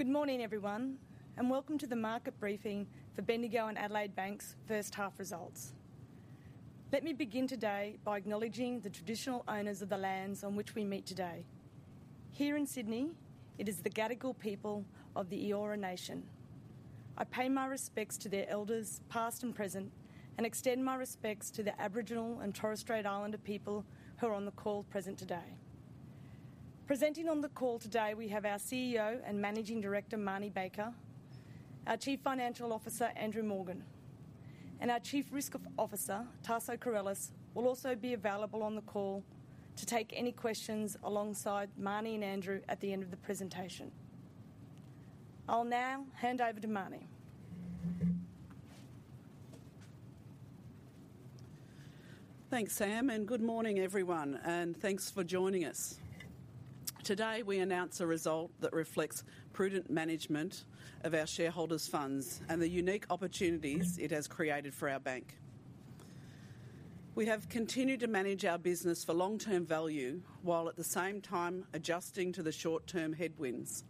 Good morning, everyone, and welcome to the market briefing for Bendigo and Adelaide Bank's first-half results. Let me begin today by acknowledging the traditional owners of the lands on which we meet today. Here in Sydney, it is the Gadigal people of the Eora Nation. I pay my respects to their Elders, past and present, and extend my respects to the Aboriginal and Torres Strait Islander people who are on the call present today. Presenting on the call today, we have our CEO and Managing Director, Marnie Baker, our Chief Financial Officer, Andrew Morgan, and our Chief Risk Officer, Taso Corolis. We'll also be available on the call to take any questions alongside Marnie and Andrew at the end of the presentation. I'll now hand over to Marnie. Thanks, Sam, and good morning, everyone, and thanks for joining us. Today, we announce a result that reflects prudent management of our shareholders' funds and the unique opportunities it has created for our bank. We have continued to manage our business for long-term value while, at the same time, adjusting to the short-term headwinds.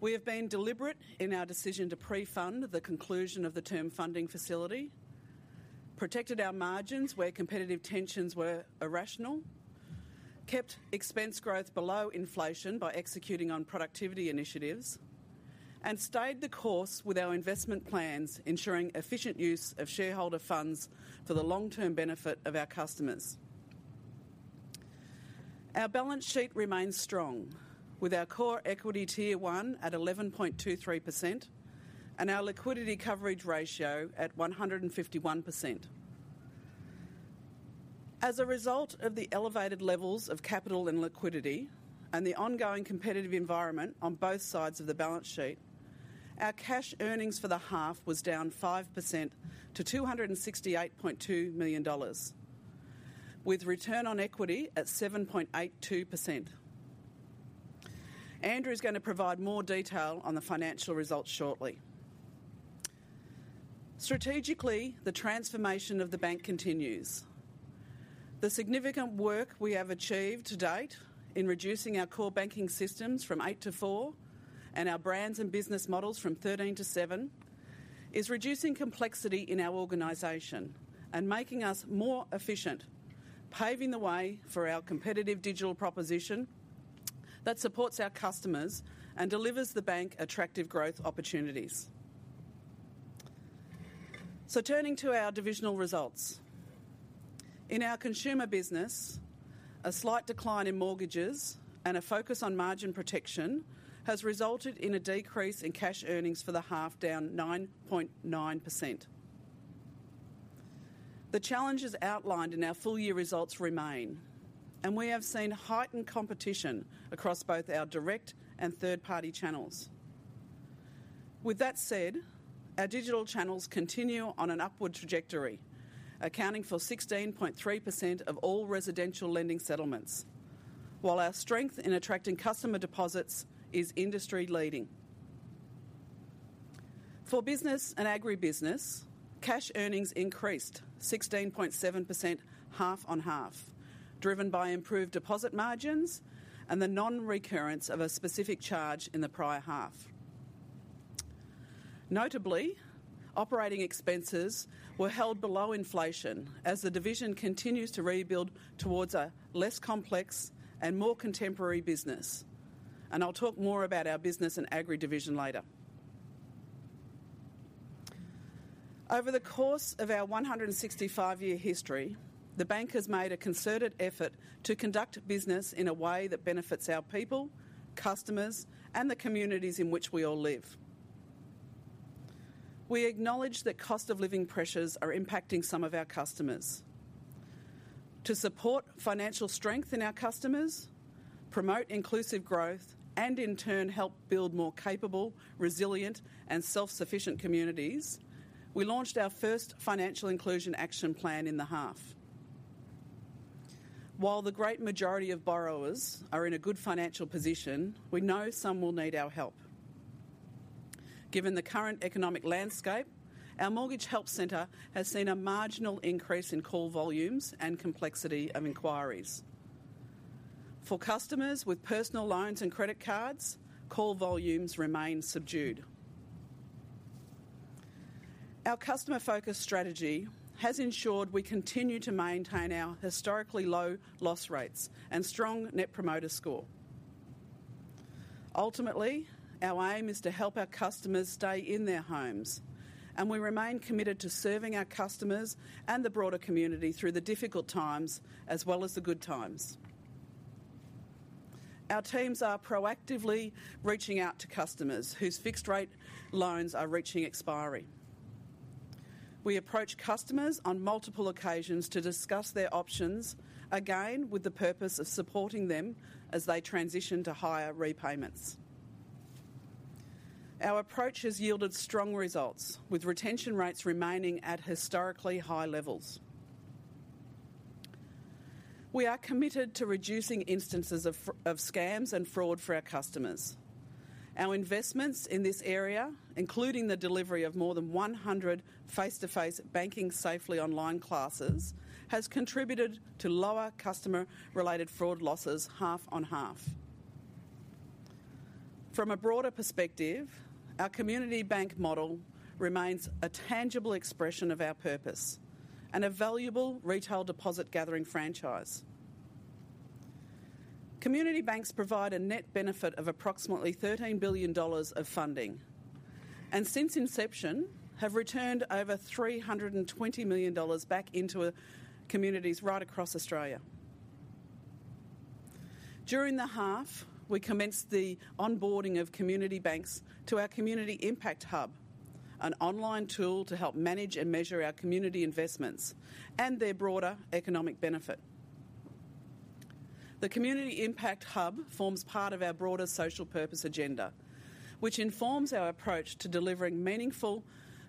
We have been deliberate in our decision to pre-fund the conclusion of the Term Funding Facility, protected our margins where competitive tensions were irrational, kept expense growth below inflation by executing on productivity initiatives, and stayed the course with our investment plans, ensuring efficient use of shareholder funds for the long-term benefit of our customers. Our balance sheet remains strong, with our Core Equity Tier I at 11.23% and our liquidity coverage ratio at 151%. As a result of the elevated levels of capital and liquidity and the ongoing competitive environment on both sides of the balance sheet, our cash earnings for the half was down 5% to 268.2 million dollars, with return on equity at 7.82%. Andrew is going to provide more detail on the financial results shortly. Strategically, the transformation of the bank continues. The significant work we have achieved to date in reducing our core banking systems from eight to four and our brands and business models from 13 to seven is reducing complexity in our organization and making us more efficient, paving the way for our competitive digital proposition that supports our customers and delivers the bank attractive growth opportunities. Turning to our divisional results. In our consumer business, a slight decline in mortgages and a focus on margin protection has resulted in a decrease in cash earnings for the half, down 9.9%. The challenges outlined in our full-year results remain, and we have seen heightened competition across both our direct and third-party channels. With that said, our digital channels continue on an upward trajectory, accounting for 16.3% of all residential lending settlements, while our strength in attracting customer deposits is industry-leading. For Business and Agribusiness, cash earnings increased 16.7% half-on-half, driven by improved deposit margins and the non-recurrence of a specific charge in the prior half. Notably, operating expenses were held below inflation as the division continues to rebuild towards a less complex and more contemporary business, and I'll talk more about our Business and Agri division later. Over the course of our 165-year history, the bank has made a concerted effort to conduct business in a way that benefits our people, customers, and the communities in which we all live. We acknowledge that cost-of-living pressures are impacting some of our customers. To support financial strength in our customers, promote inclusive growth, and in turn help build more capable, resilient, and self-sufficient communities, we launched our first Financial Inclusion Action Plan in the half. While the great majority of borrowers are in a good financial position, we know some will need our help. Given the current economic landscape, our mortgage help centre has seen a marginal increase in call volumes and complexity of inquiries. For customers with personal loans and credit cards, call volumes remain subdued. Our customer-focused strategy has ensured we continue to maintain our historically low loss rates and strong net promoter score. Ultimately, our aim is to help our customers stay in their homes, and we remain committed to serving our customers and the broader community through the difficult times as well as the good times. Our teams are proactively reaching out to customers whose fixed-rate loans are reaching expiry. We approach customers on multiple occasions to discuss their options, again with the purpose of supporting them as they transition to higher repayments. Our approach has yielded strong results, with retention rates remaining at historically high levels. We are committed to reducing instances of scams and fraud for our customers. Our investments in this area, including the delivery of more than 100 face-to-face banking safely online classes, have contributed to lower customer-related fraud losses half on half. From a broader perspective, our community bank model remains a tangible expression of our purpose and a valuable retail deposit gathering franchise. Community Banks provide a net benefit of approximately AUD 13 billion of funding and, since inception, have returned over AUD 320 million back into communities right across Australia. During the half, we commenced the onboarding of Community Banks to our Community Impact Hub, an online tool to help manage and measure our community investments and their broader economic benefit. The Community Impact Hub forms part of our broader social purpose agenda, which informs our approach to delivering meaningful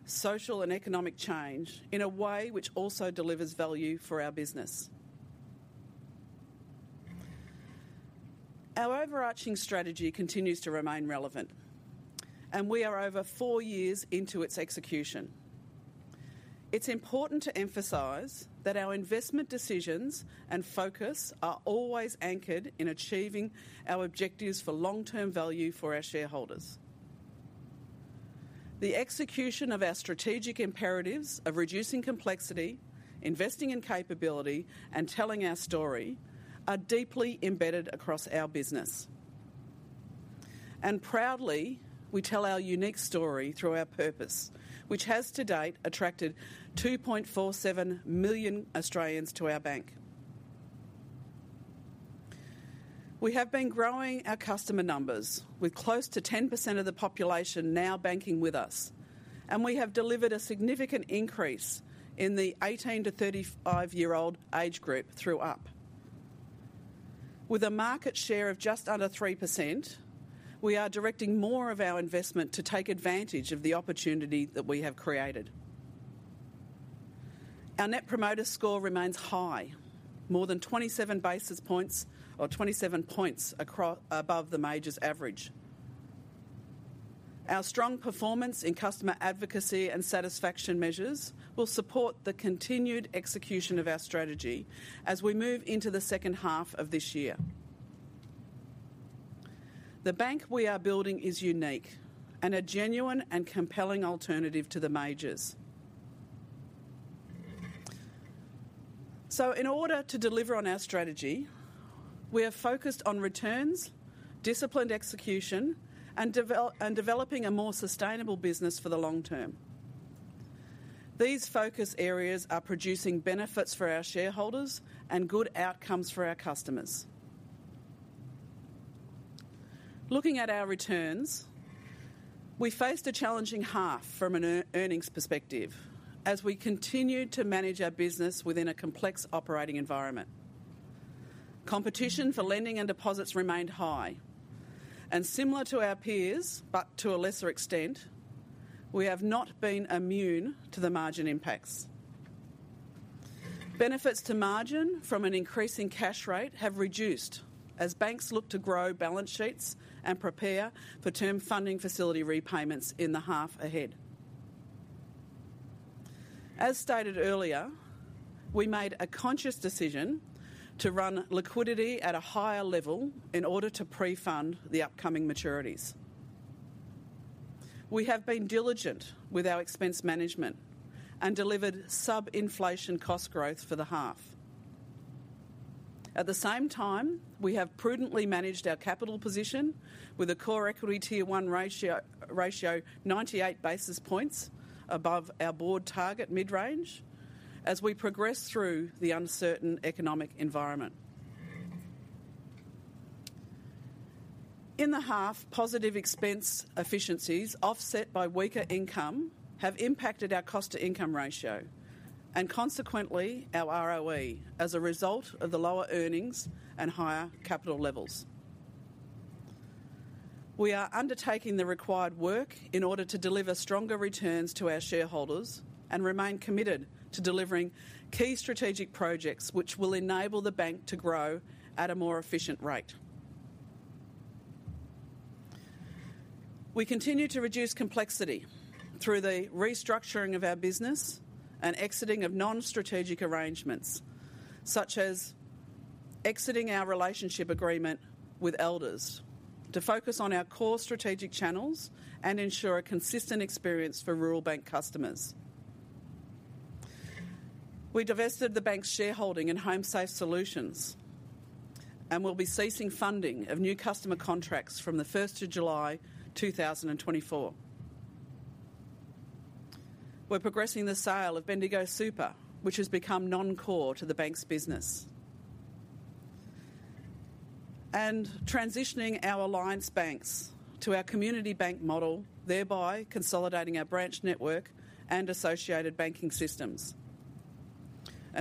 social and economic change in a way which also delivers value for our business. Our overarching strategy continues to remain relevant, and we are over four years into its execution. It's important to emphasize that our investment decisions and focus are always anchored in achieving our objectives for long-term value for our shareholders. The execution of our strategic imperatives of reducing complexity, investing in capability, and telling our story are deeply embedded across our business. Proudly, we tell our unique story through our purpose, which has to date attracted 2.47 million Australians to our bank. We have been growing our customer numbers, with close to 10% of the population now banking with us, and we have delivered a significant increase in the 18 to 35 year old age group through Up. With a market share of just under 3%, we are directing more of our investment to take advantage of the opportunity that we have created. Our net promoter score remains high, more than 27 basis points or 27 points above the major's average. Our strong performance in customer advocacy and satisfaction measures will support the continued execution of our strategy as we move into the second half of this year. The bank we are building is unique and a genuine and compelling alternative to the majors. So in order to deliver on our strategy, we are focused on returns, disciplined execution, and developing a more sustainable business for the long term. These focus areas are producing benefits for our shareholders and good outcomes for our customers. Looking at our returns, we faced a challenging half from an earnings perspective as we continued to manage our business within a complex operating environment. Competition for lending and deposits remained high, and similar to our peers, but to a lesser extent, we have not been immune to the margin impacts. Benefits to margin from an increasing cash rate have reduced as banks look to grow balance sheets and prepare for Term Funding Facility repayments in the half ahead. As stated earlier, we made a conscious decision to run liquidity at a higher level in order to pre-fund the upcoming maturities. We have been diligent with our expense management and delivered sub-inflation cost growth for the half. At the same time, we have prudently managed our capital position with a Core Equity Tier 1 ratio 98 basis points above our board target mid-range as we progress through the uncertain economic environment. In the half, positive expense efficiencies offset by weaker income have impacted our cost-to-income ratio and consequently our ROE as a result of the lower earnings and higher capital levels. We are undertaking the required work in order to deliver stronger returns to our shareholders and remain committed to delivering key strategic projects which will enable the bank to grow at a more efficient rate. We continue to reduce complexity through the restructuring of our business and exiting of non-strategic arrangements such as exiting our relationship agreement with Elders to focus on our core strategic channels and ensure a consistent experience for rural bank customers. We divested the bank's shareholding in Homesafe Solutions and will be ceasing funding of new customer contracts from the July 1st, 2024. We're progressing the sale of Bendigo Super, which has become non-core to the bank's business, and transitioning our Alliance Banks to our community bank model, thereby consolidating our branch network and associated banking systems.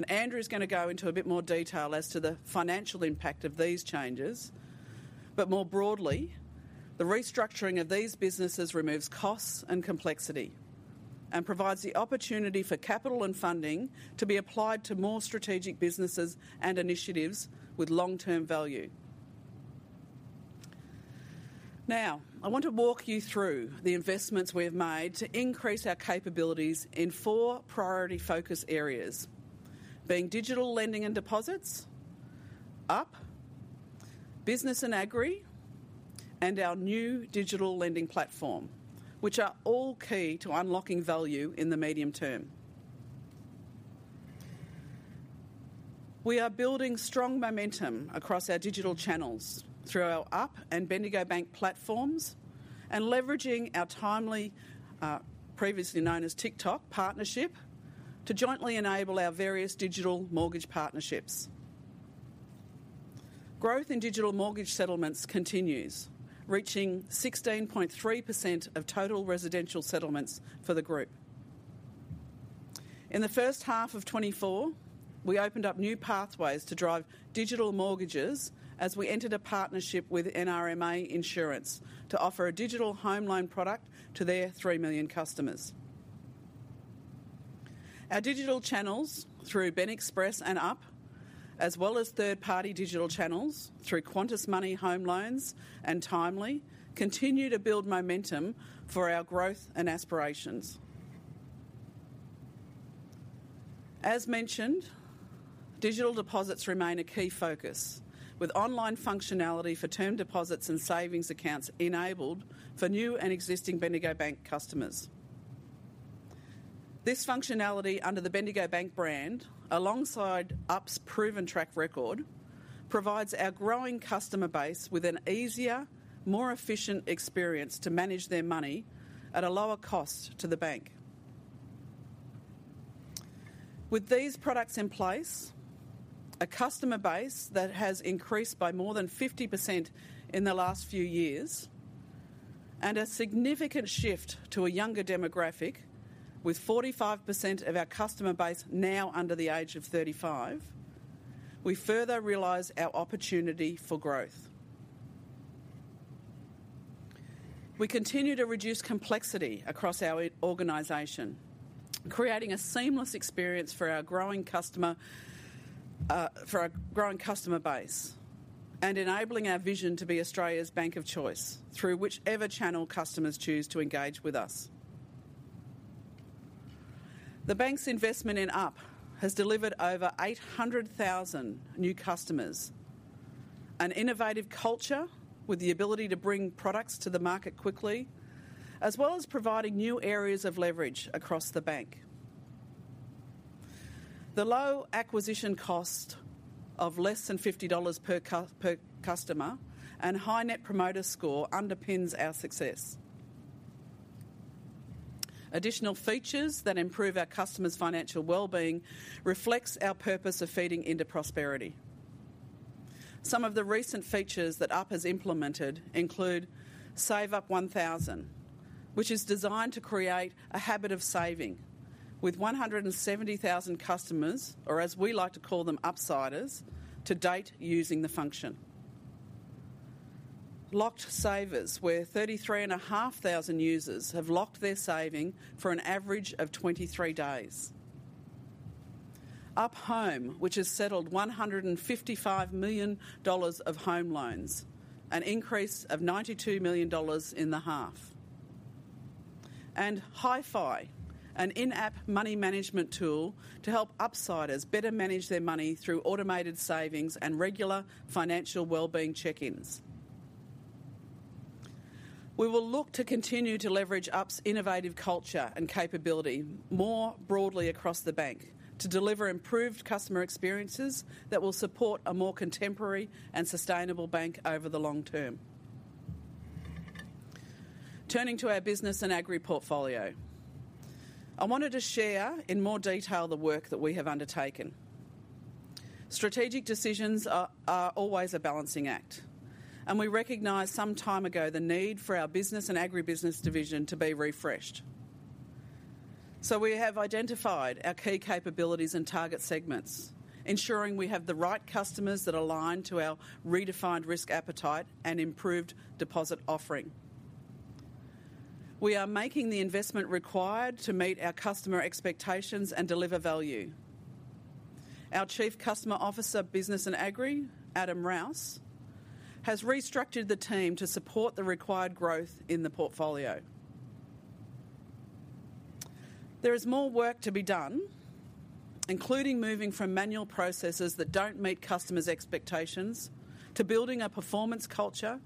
Andrew is going to go into a bit more detail as to the financial impact of these changes, but more broadly, the restructuring of these businesses removes costs and complexity and provides the opportunity for capital and funding to be applied to more strategic businesses and initiatives with long-term value. Now, I want to walk you through the investments we have made to increase our capabilities in four priority focus areas, being digital lending and deposits, Up, Business and Agri, and our new digital lending platform, which are all key to unlocking value in the medium term. We are building strong momentum across our digital channels through our Up and Bendigo Bank platforms and leveraging our Tiimely, previously known as Tic:Toc partnership to jointly enable our various digital mortgage partnerships. Growth in digital mortgage settlements continues, reaching 16.3% of total residential settlements for the group. In the first half of 2024, we opened up new pathways to drive digital mortgages as we entered a partnership with NRMA Insurance to offer a digital home loan product to their 3 million customers. Our digital channels through BEN Express and Up, as well as third-party digital channels through Qantas Money Home Loans and Tiimely, continue to build momentum for our growth and aspirations. As mentioned, digital deposits remain a key focus, with online functionality for term deposits and savings accounts enabled for new and existing Bendigo Bank customers. This functionality under the Bendigo Bank brand, alongside Up's proven track record, provides our growing customer base with an easier, more efficient experience to manage their money at a lower cost to the bank. With these products in place, a customer base that has increased by more than 50% in the last few years, and a significant shift to a younger demographic, with 45% of our customer base now under the age of 35, we further realize our opportunity for growth. We continue to reduce complexity across our organization, creating a seamless experience for our growing customer base and enabling our vision to be Australia's bank of choice through whichever channel customers choose to engage with us. The bank's investment in Up has delivered over 800,000 new customers, an innovative culture with the ability to bring products to the market quickly, as well as providing new areas of leverage across the bank. The low acquisition cost of less than 50 dollars per customer and high net promoter score underpins our success. Additional features that improve our customers' financial wellbeing reflect our purpose of feeding into prosperity. Some of the recent features that Up has implemented include Save Up 1000, which is designed to create a habit of saving with 170,000 customers, or as we like to call them, Upsiders, to date using the function. Locked Savers, where 33,500 users have locked their saving for an average of 23 days. Up Home, which has settled 155 million dollars of home loans, an increase of 92 million dollars in the half. And Hi-Fi, an in-app money management tool to help Upsiders better manage their money through automated savings and regular financial wellbeing check-ins. We will look to continue to leverage Up's innovative culture and capability more broadly across the bank to deliver improved customer experiences that will support a more contemporary and sustainable bank over the long term. Turning to our Business and Agri portfolio, I wanted to share in more detail the work that we have undertaken. Strategic decisions are always a balancing act, and we recognized some time ago the need Business and Agribusiness division to be refreshed. So we have identified our key capabilities and target segments, ensuring we have the right customers that align to our redefined risk appetite and improved deposit offering. We are making the investment required to meet our customer expectations and deliver value. Our Chief Customer Officer, Business and Agribusiness, Adam Rowse, has restructured the team to support the required growth in the portfolio. There is more work to be done, including moving from manual processes that don't meet customers' expectations to building a performance culture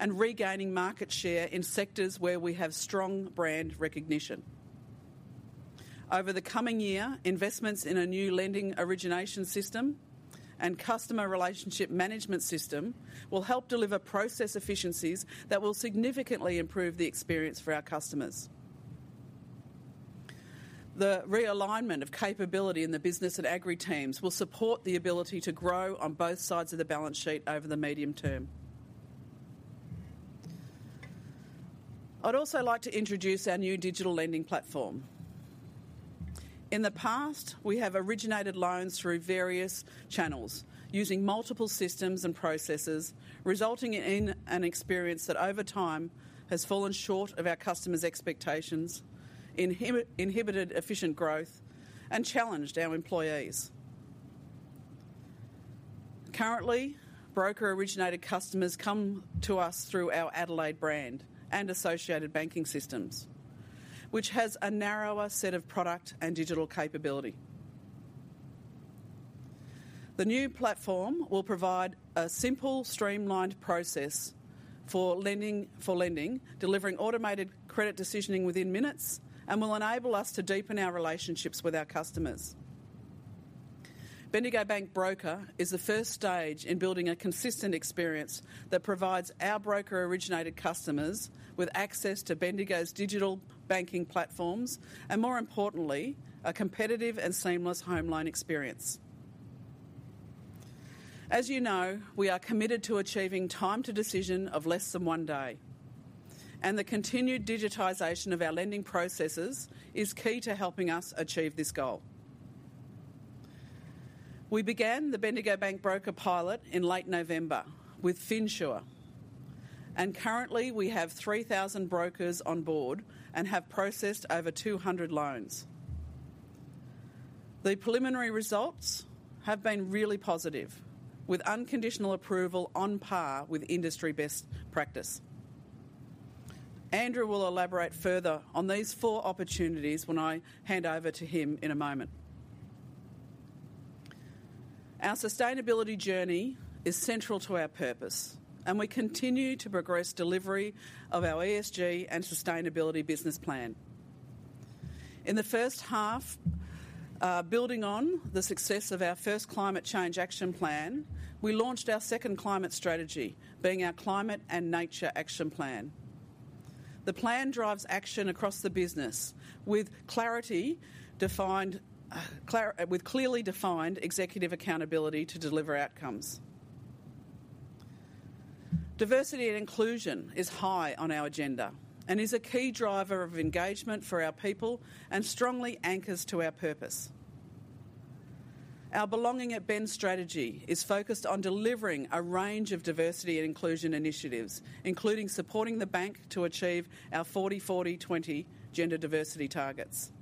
and regaining market share in sectors where we have strong brand recognition. Over the coming year, investments in a new lending origination system and customer relationship management system will help deliver process efficiencies that will significantly improve the experience for our customers. The realignment of capability in the Business and Agri teams will support the ability to grow on both sides of the balance sheet over the medium term. I'd also like to introduce our new digital lending platform. In the past, we have originated loans through various channels using multiple systems and processes, resulting in an experience that over time has fallen short of our customers' expectations, inhibited efficient growth, and challenged our employees. Currently, broker originated customers come to us through our Adelaide brand and associated banking systems, which has a narrower set of product and digital capability. The new platform will provide a simple, streamlined process for lending, delivering automated credit decisioning within minutes, and will enable us to deepen our relationships with our customers. Bendigo Bank Broker is the first stage in building a consistent experience that provides our broker originated customers with access to Bendigo's digital banking platforms and, more importantly, a competitive and seamless home loan experience. As you know, we are committed to achieving time to decision of less than one day, and the continued digitization of our lending processes is key to helping us achieve this goal. We began the Bendigo Bank Broker pilot in late November with Finsure, and currently, we have 3,000 brokers on board and have processed over 200 loans. The preliminary results have been really positive, with unconditional approval on par with industry best practice. Andrew will elaborate further on these four opportunities when I hand over to him in a moment. Our sustainability journey is central to our purpose, and we continue to progress delivery of our ESG and sustainability business plan. In the first half, building on the success of our first Climate Change Action Plan, we launched our second climate strategy, being our Climate and Nature Action Plan. The plan drives action across the business with clearly defined executive accountability to deliver outcomes. Diversity and inclusion is high on our agenda and is a key driver of engagement for our people and strongly anchors to our purpose. Our Belonging at Bendigo strategy is focused on delivering a range of diversity and inclusion initiatives, including supporting the bank to achieve our 40 to 40 to 20 gender diversity targets,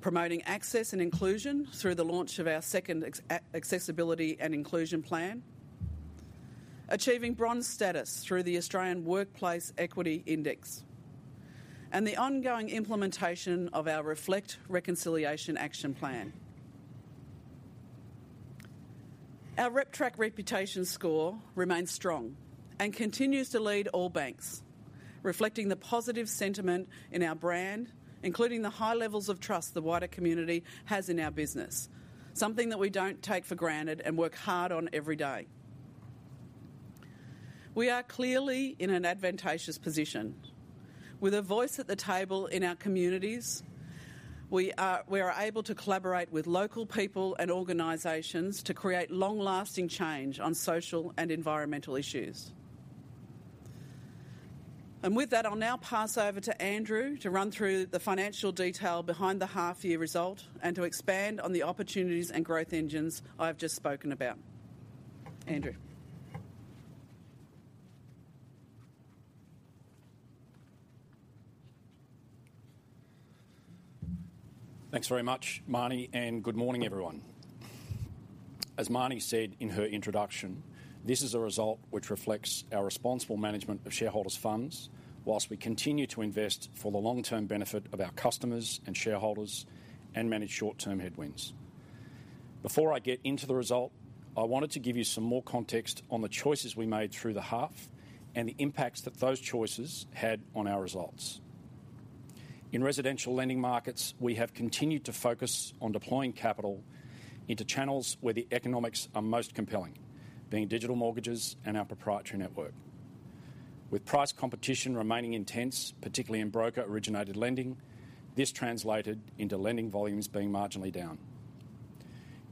promoting access and inclusion through the launch of our second Accessibility and Inclusion Plan, achieving bronze status through the Australian Workplace Equity Index, and the ongoing implementation of our Reflect Reconciliation Action Plan. Our RepTrak reputation score remains strong and continues to lead all banks, reflecting the positive sentiment in our brand, including the high levels of trust the wider community has in our business, something that we don't take for granted and work hard on every day. We are clearly in an advantageous position. With a voice at the table in our communities, we are able to collaborate with local people and organizations to create long-lasting change on social and environmental issues. And with that, I'll now pass over to Andrew to run through the financial detail behind the half-year result and to expand on the opportunities and growth engines I have just spoken about. Andrew. - Thanks very much, Marnie, and good morning, everyone. As Marnie said in her introduction, this is a result which reflects our responsible management of shareholders' funds whilst we continue to invest for the long-term benefit of our customers and shareholders and manage short-term headwinds. Before I get into the result, I wanted to give you some more context on the choices we made through the half and the impacts that those choices had on our results. In residential lending markets, we have continued to focus on deploying capital into channels where the economics are most compelling, being digital mortgages and our proprietary network. With price competition remaining intense, particularly in broker originated lending, this translated into lending volumes being marginally down.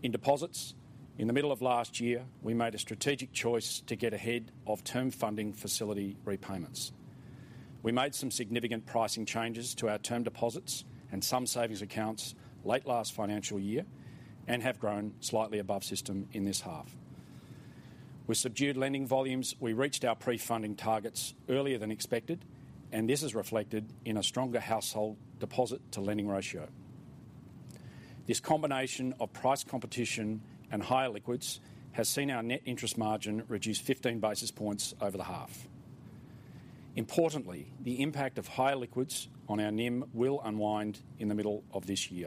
In deposits, in the middle of last year, we made a strategic choice to get ahead of Term Funding Facility repayments. We made some significant pricing changes to our term deposits and some savings accounts late last financial year and have grown slightly above system in this half. With subdued lending volumes, we reached our pre-funding targets earlier than expected, and this is reflected in a stronger household deposit to lending ratio. This combination of price competition and higher liquidity has seen our net interest margin reduce 15 basis points over the half. Importantly, the impact of higher liquidity on our NIM will unwind in the middle of this year.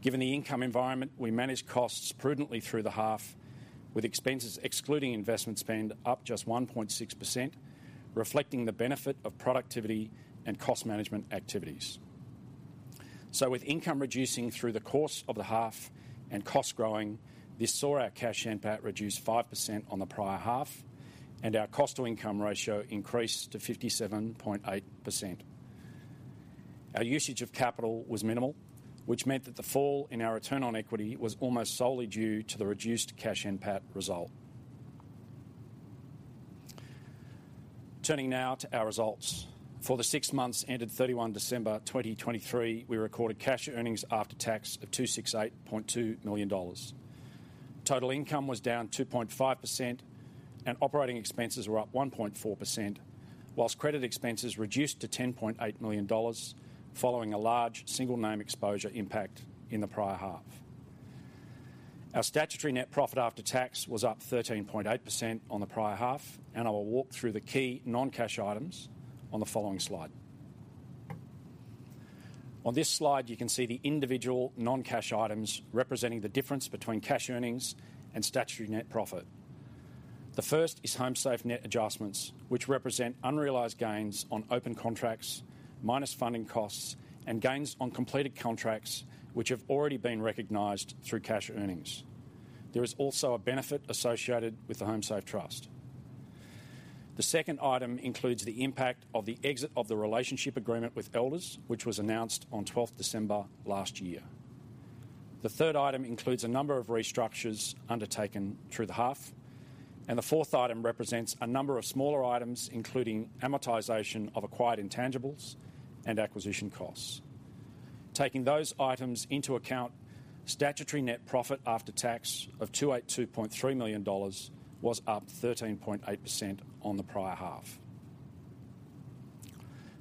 Given the income environment, we manage costs prudently through the half, with expenses excluding investment spend up just 1.6%, reflecting the benefit of productivity and cost management activities. With income reducing through the course of the half and costs growing, this saw our cash NPAT reduce 5% on the prior half, and our cost to income ratio increased to 57.8%. Our usage of capital was minimal, which meant that the fall in our return on equity was almost solely due to the reduced cash NPAT result. Turning now to our results. For the six months ended December 31, 2023, we recorded cash earnings after tax of 268.2 million dollars. Total income was down 2.5%, and operating expenses were up 1.4%, while credit expenses reduced to 10.8 million dollars following a large single name exposure impact in the prior half. Our statutory net profit after tax was up 13.8% on the prior half, and I will walk through the key non-cash items on the following slide. On this slide, you can see the individual non-cash items representing the difference between cash earnings and statutory net profit. The first is HomeSafe net adjustments, which represent unrealized gains on open contracts, minus funding costs, and gains on completed contracts, which have already been recognized through cash earnings. There is also a benefit associated with the HomeSafe Trust. The second item includes the impact of the exit of the relationship agreement with Elders, which was announced on December 12th last year. The third item includes a number of restructures undertaken through the half, and the fourth item represents a number of smaller items, including amortization of acquired intangibles and acquisition costs. Taking those items into account, statutory net profit after tax of 282.3 million dollars was up 13.8% on the prior half.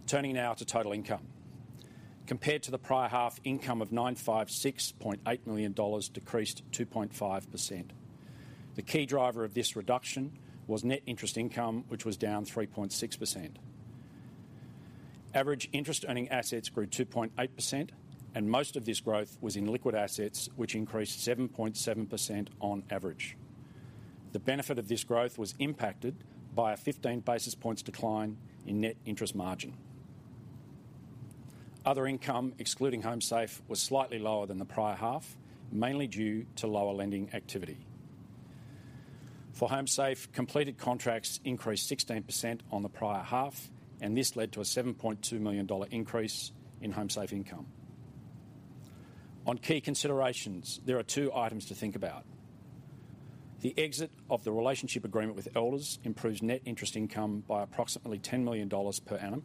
Turning now to total income. Compared to the prior half, income of 956.8 million dollars decreased 2.5%. The key driver of this reduction was net interest income, which was down 3.6%. Average interest earning assets grew 2.8%, and most of this growth was in liquid assets, which increased 7.7% on average. The benefit of this growth was impacted by a 15 basis points decline in net interest margin. Other income, excluding HomeSafe, was slightly lower than the prior half, mainly due to lower lending activity. For HomeSafe, completed contracts increased 16% on the prior half, and this led to an 7.2 million dollar increase in HomeSafe income. On key considerations, there are two items to think about. The exit of the relationship agreement with Elders improves net interest income by approximately 10 million dollars per annum,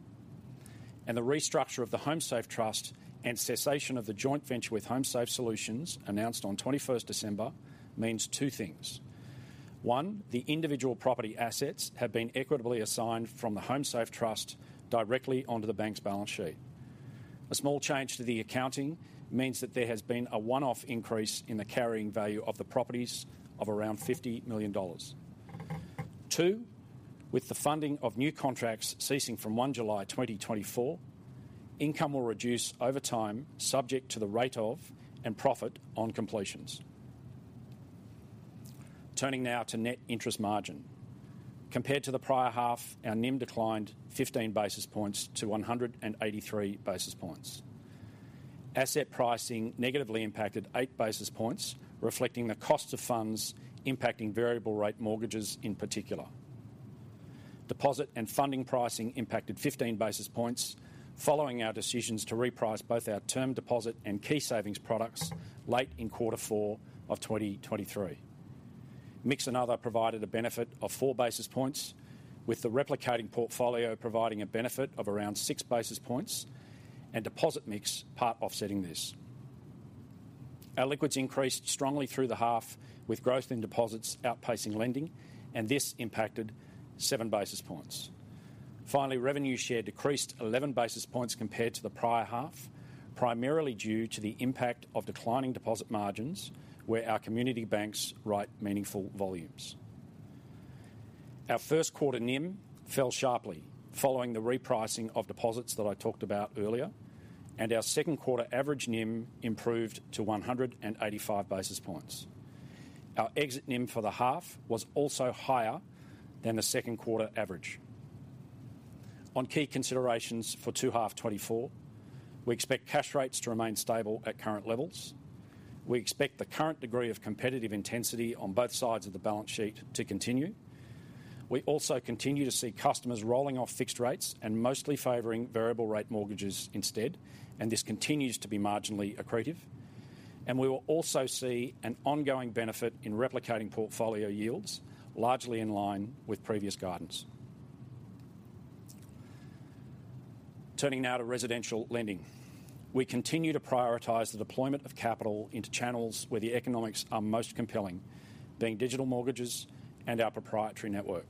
and the restructure of the HomeSafe Trust and cessation of the joint venture with HomeSafe Solutions announced on December 21st means two things. One, the individual property assets have been equitably assigned from the HomeSafe Trust directly onto the bank's balance sheet. A small change to the accounting means that there has been a one-off increase in the carrying value of the properties of around 50 million dollars. Two, with the funding of new contracts ceasing from July1, 2024, income will reduce over time subject to the rate of and profit on completions. Turning now to net interest margin. Compared to the prior half, our NIM declined 15 basis points to 183 basis points. Asset pricing negatively impacted 8 basis points, reflecting the cost of funds impacting variable rate mortgages in particular. Deposit and funding pricing impacted 15 basis points following our decisions to reprice both our term deposit and key savings products late in quarter four of 2023. Mix and other provided a benefit of 4 basis points, with the replicating portfolio providing a benefit of around 6 basis points, and deposit mix part offsetting this. Our liquids increased strongly through the half, with growth in deposits outpacing lending, and this impacted 7 basis points. Finally, revenue share decreased 11 basis points compared to the prior half, primarily due to the impact of declining deposit margins, where our Community Banks write meaningful volumes. Our first quarter NIM fell sharply following the repricing of deposits that I talked about earlier, and our second quarter average NIM improved to 185 basis points. Our exit NIM for the half was also higher than the second quarter average. On key considerations for 2H 2024, we expect cash rates to remain stable at current levels. We expect the current degree of competitive intensity on both sides of the balance sheet to continue. We also continue to see customers rolling off fixed rates and mostly favoring variable rate mortgages instead, and this continues to be marginally accretive. We will also see an ongoing benefit in replicating portfolio yields, largely in line with previous guidance. Turning now to residential lending. We continue to prioritize the deployment of capital into channels where the economics are most compelling, being digital mortgages and our proprietary network.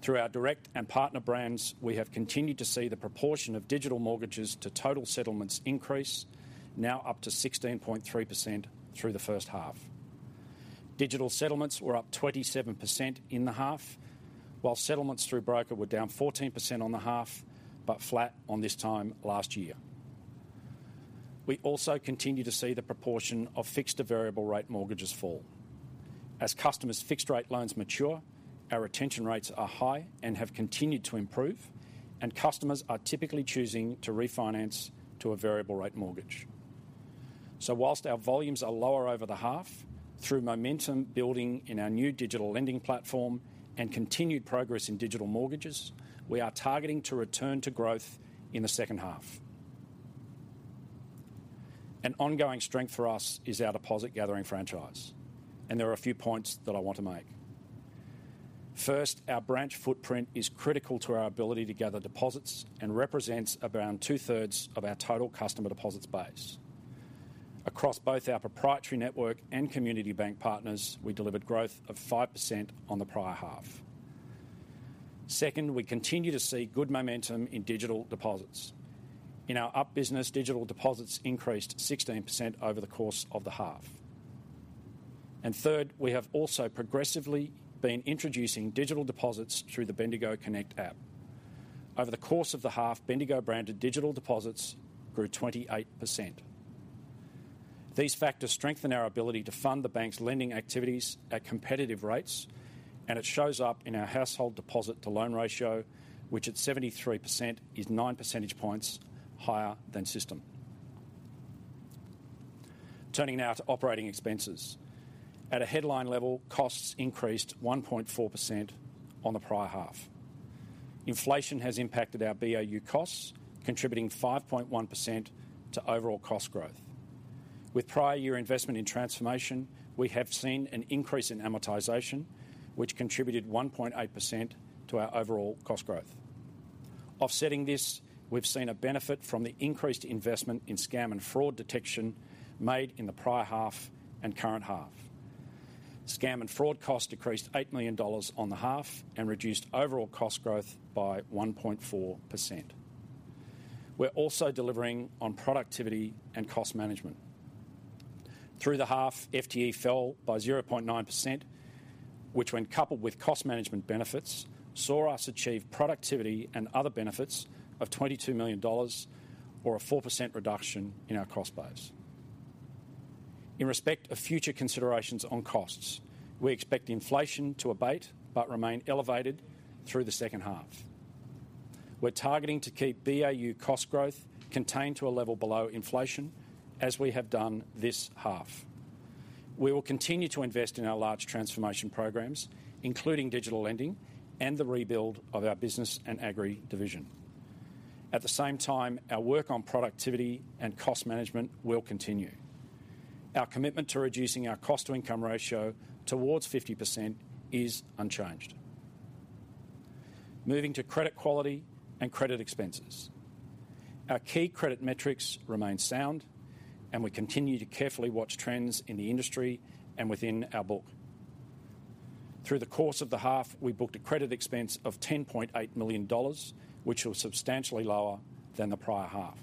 Through our direct and partner brands, we have continued to see the proportion of digital mortgages to total settlements increase, now up to 16.3% through the first half. Digital settlements were up 27% in the half, while settlements through broker were down 14% on the half, but flat on this time last year. We also continue to see the proportion of fixed to variable rate mortgages fall. As customers' fixed rate loans mature, our retention rates are high and have continued to improve, and customers are typically choosing to refinance to a variable rate mortgage. So while our volumes are lower over the half, through momentum building in our new digital lending platform and continued progress in digital mortgages, we are targeting to return to growth in the second half. An ongoing strength for us is our deposit-gathering franchise, and there are a few points that I want to make. First, our branch footprint is critical to our ability to gather deposits and represents around two-thirds of our total customer deposits base. Across both our proprietary network and community bank partners, we delivered growth of 5% on the prior half. Second, we continue to see good momentum in digital deposits. In our Up business, digital deposits increased 16% over the course of the half. And third, we have also progressively been introducing digital deposits through the Bendigo Connect app. Over the course of the half, Bendigo-branded digital deposits grew 28%. These factors strengthen our ability to fund the bank's lending activities at competitive rates, and it shows up in our household deposit-to-loan ratio, which at 73% is nine percentage points higher than system. Turning now to operating expenses. At a headline level, costs increased 1.4% on the prior half. Inflation has impacted our BAU costs, contributing 5.1% to overall cost growth. With prior year investment in transformation, we have seen an increase in amortization, which contributed 1.8% to our overall cost growth. Offsetting this, we've seen a benefit from the increased investment in scam and fraud detection made in the prior half and current half. Scam and fraud costs decreased 8 million dollars on the half and reduced overall cost growth by 1.4%. We're also delivering on productivity and cost management. Through the half, FTE fell by 0.9%, which, when coupled with cost management benefits, saw us achieve productivity and other benefits of 22 million dollars, or a 4% reduction in our cost base. In respect of future considerations on costs, we expect inflation to abate but remain elevated through the second half. We're targeting to keep BAU cost growth contained to a level below inflation, as we have done this half. We will continue to invest in our large transformation programs, including digital lending and the rebuild of our Business and Agri division. At the same time, our work on productivity and cost management will continue. Our commitment to reducing our cost-to-income ratio towards 50% is unchanged. Moving to credit quality and credit expenses. Our key credit metrics remain sound, and we continue to carefully watch trends in the industry and within our book. Through the course of the half, we booked a credit expense of 10.8 million dollars, which was substantially lower than the prior half.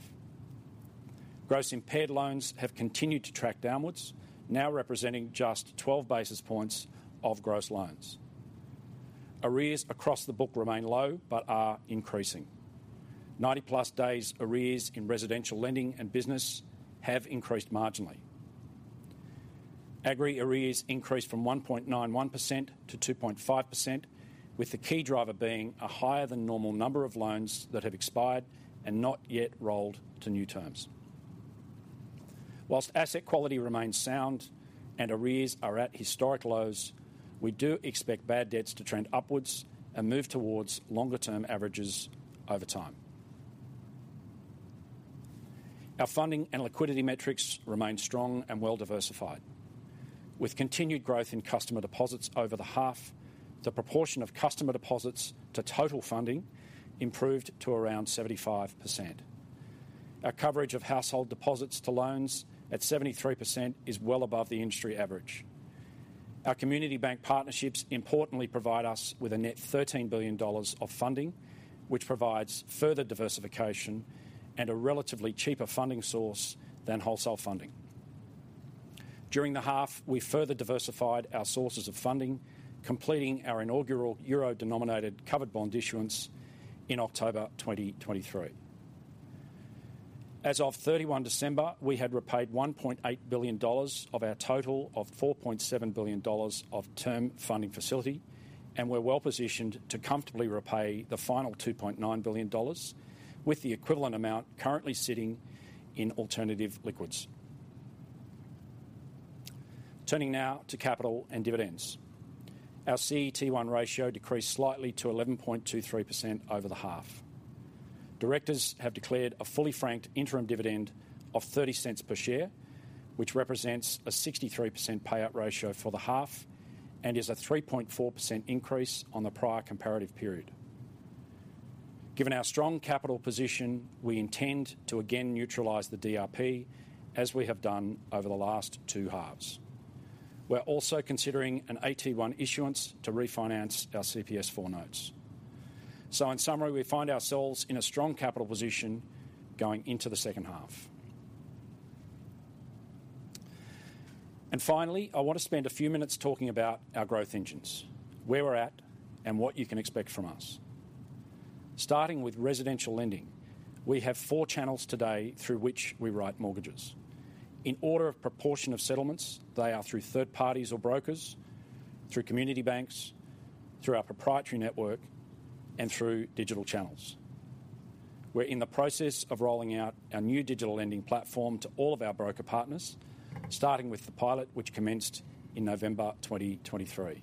Gross impaired loans have continued to track downwards, now representing just 12 basis points of gross loans. AREAs across the book remain low but are increasing. 90 plus days' AREAs in residential lending and business have increased marginally. Agri AREAs increased from 1.91%-2.5%, with the key driver being a higher-than-normal number of loans that have expired and not yet rolled to new terms. While asset quality remains sound and AREAs are at historic lows, we do expect bad debts to trend upwards and move towards longer-term averages over time. Our funding and liquidity metrics remain strong and well-diversified. With continued growth in customer deposits over the half, the proportion of customer deposits to total funding improved to around 75%. Our coverage of household deposits to loans at 73% is well above the industry average. Our community bank partnerships importantly provide us with a net 13 billion dollars of funding, which provides further diversification and a relatively cheaper funding source than wholesale funding. During the half, we further diversified our sources of funding, completing our inaugural Euro-denominated covered bond issuance in October 2023. As of December 31, we had repaid 1.8 billion dollars of our total of 4.7 billion dollars of Term Funding Facility, and we're well-positioned to comfortably repay the final 2.9 billion dollars, with the equivalent amount currently sitting in alternative liquids. Turning now to capital and dividends. Our CET1 ratio decreased slightly to 11.23% over the half. Directors have declared a fully franked interim dividend of 0.30 per share, which represents a 63% payout ratio for the half and is a 3.4% increase on the prior comparative period. Given our strong capital position, we intend to again neutralize the DRP, as we have done over the last two halves. We're also considering an AT1 issuance to refinance our CPS4 notes. So in summary, we find ourselves in a strong capital position going into the second half. Finally, I want to spend a few minutes talking about our growth engines, where we're at, and what you can expect from us. Starting with residential lending, we have four channels today through which we write mortgages. In order of proportion of settlements, they are through third parties or brokers, through Community Banks, through our proprietary network, and through digital channels. We're in the process of rolling out our new digital lending platform to all of our broker partners, starting with the pilot, which commenced in November 2023.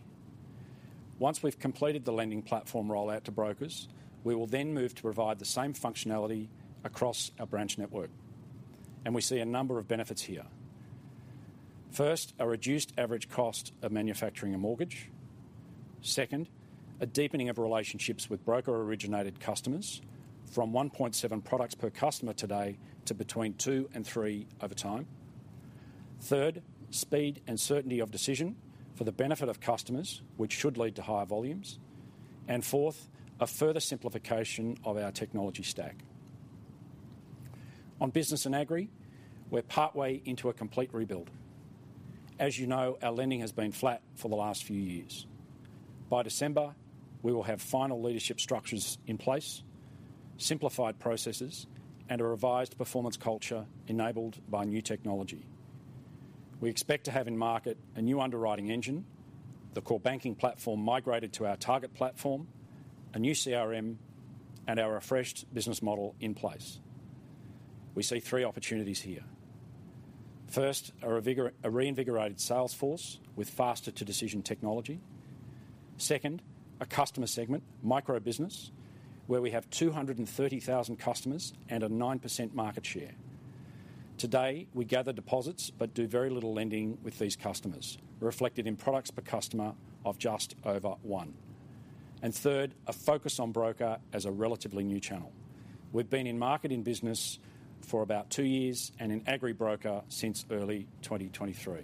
Once we've completed the lending platform rollout to brokers, we will then move to provide the same functionality across our branch network. We see a number of benefits here. First, a reduced average cost of manufacturing a mortgage. Second, a deepening of relationships with broker-originated customers, from 1.7 products per customer today to between two and three over time. Third, speed and certainty of decision for the benefit of customers, which should lead to higher volumes. And fourth, a further simplification of our technology stack. On Business and Agri, we're partway into a complete rebuild. As you know, our lending has been flat for the last few years. By December, we will have final leadership structures in place, simplified processes, and a revised performance culture enabled by new technology. We expect to have in market a new underwriting engine, the core banking platform migrated to our target platform, a new CRM, and our refreshed business model in place. We see three opportunities here. First, a reinvigorated sales force with faster-to-decision technology. Second, a customer segment, microbusiness, where we have 230,000 customers and a 9% market share. Today, we gather deposits but do very little lending with these customers, reflected in products per customer of just over one. And third, a focus on broker as a relatively new channel. We've been in market in business for about two years and in agri broker since early 2023.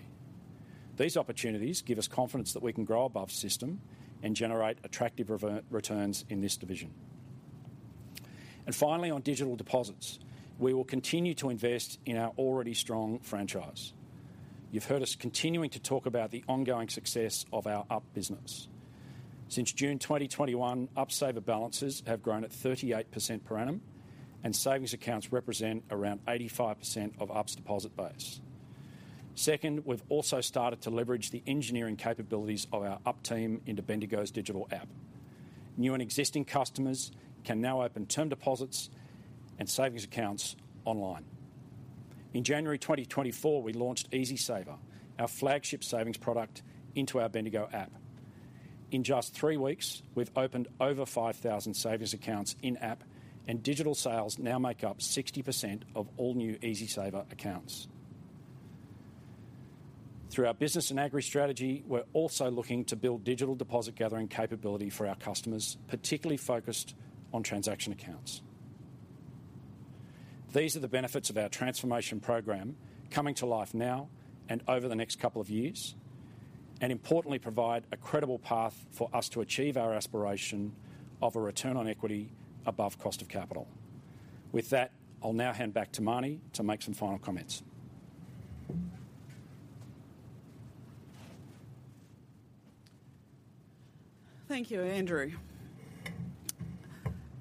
These opportunities give us confidence that we can grow above system and generate attractive returns in this division. And finally, on digital deposits, we will continue to invest in our already strong franchise. You've heard us continuing to talk about the ongoing success of our Up business. Since June 2021, Up Saver balances have grown at 38% per annum, and savings accounts represent around 85% of Up's deposit base. Second, we've also started to leverage the engineering capabilities of our Up team into Bendigo's digital app. New and existing customers can now open term deposits and savings accounts online. In January 2024, we launched EasySaver, our flagship savings product, into our Bendigo app. In just three weeks, we've opened over 5,000 savings accounts in-app, and digital sales now make up 60% of all new EasySaver accounts. Through our Business and Agri strategy, we're also looking to build digital deposit-gathering capability for our customers, particularly focused on transaction accounts. These are the benefits of our transformation program coming to life now and over the next couple of years, and importantly provide a credible path for us to achieve our aspiration of a return on equity above cost of capital. With that, I'll now hand back to Marnie to make some final comments. Thank you, Andrew.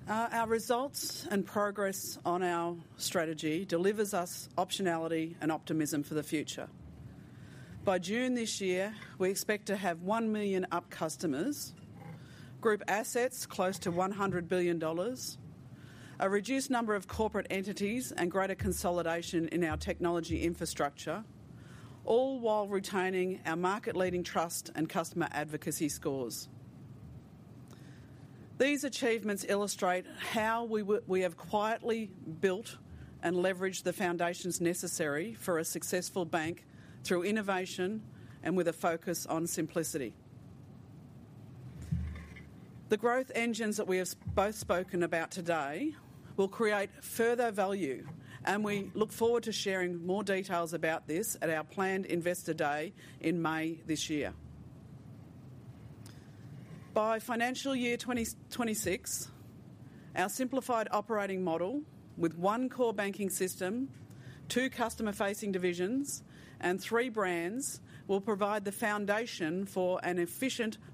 Our results and progress on our strategy delivers us optionality and optimism for the future. By June this year, we expect to have 1 million up customers, group assets close to 100 billion dollars, a reduced number of corporate entities, and greater consolidation in our technology infrastructure, all while retaining our market-leading trust and customer advocacy scores. These achievements illustrate how we have quietly built and leveraged the foundations necessary for a successful bank through innovation and with a focus on simplicity. The growth engines that we have both spoken about today will create further value, and we look forward to sharing more details about this at our planned investor day in May this year. By financial year 2026, our simplified operating model with one core banking system, two customer-facing divisions, and three brands will provide the foundation for an efficient platform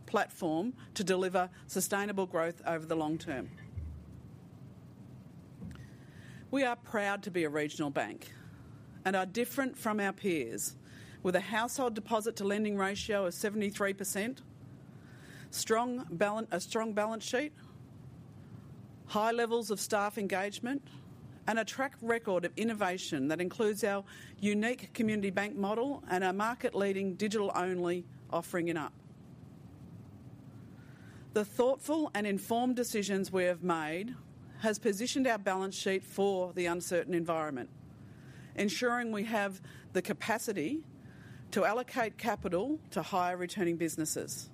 to deliver sustainable growth over the long term. We are proud to be a regional bank and are different from our peers with a household deposit-to-lending ratio of 73%, a strong balance sheet, high levels of staff engagement, and a track record of innovation that includes our unique community bank model and our market-leading digital-only offering in Up. The thoughtful and informed decisions we have made have positioned our balance sheet for the uncertain environment, ensuring we have the capacity to allocate capital to higher-returning businesses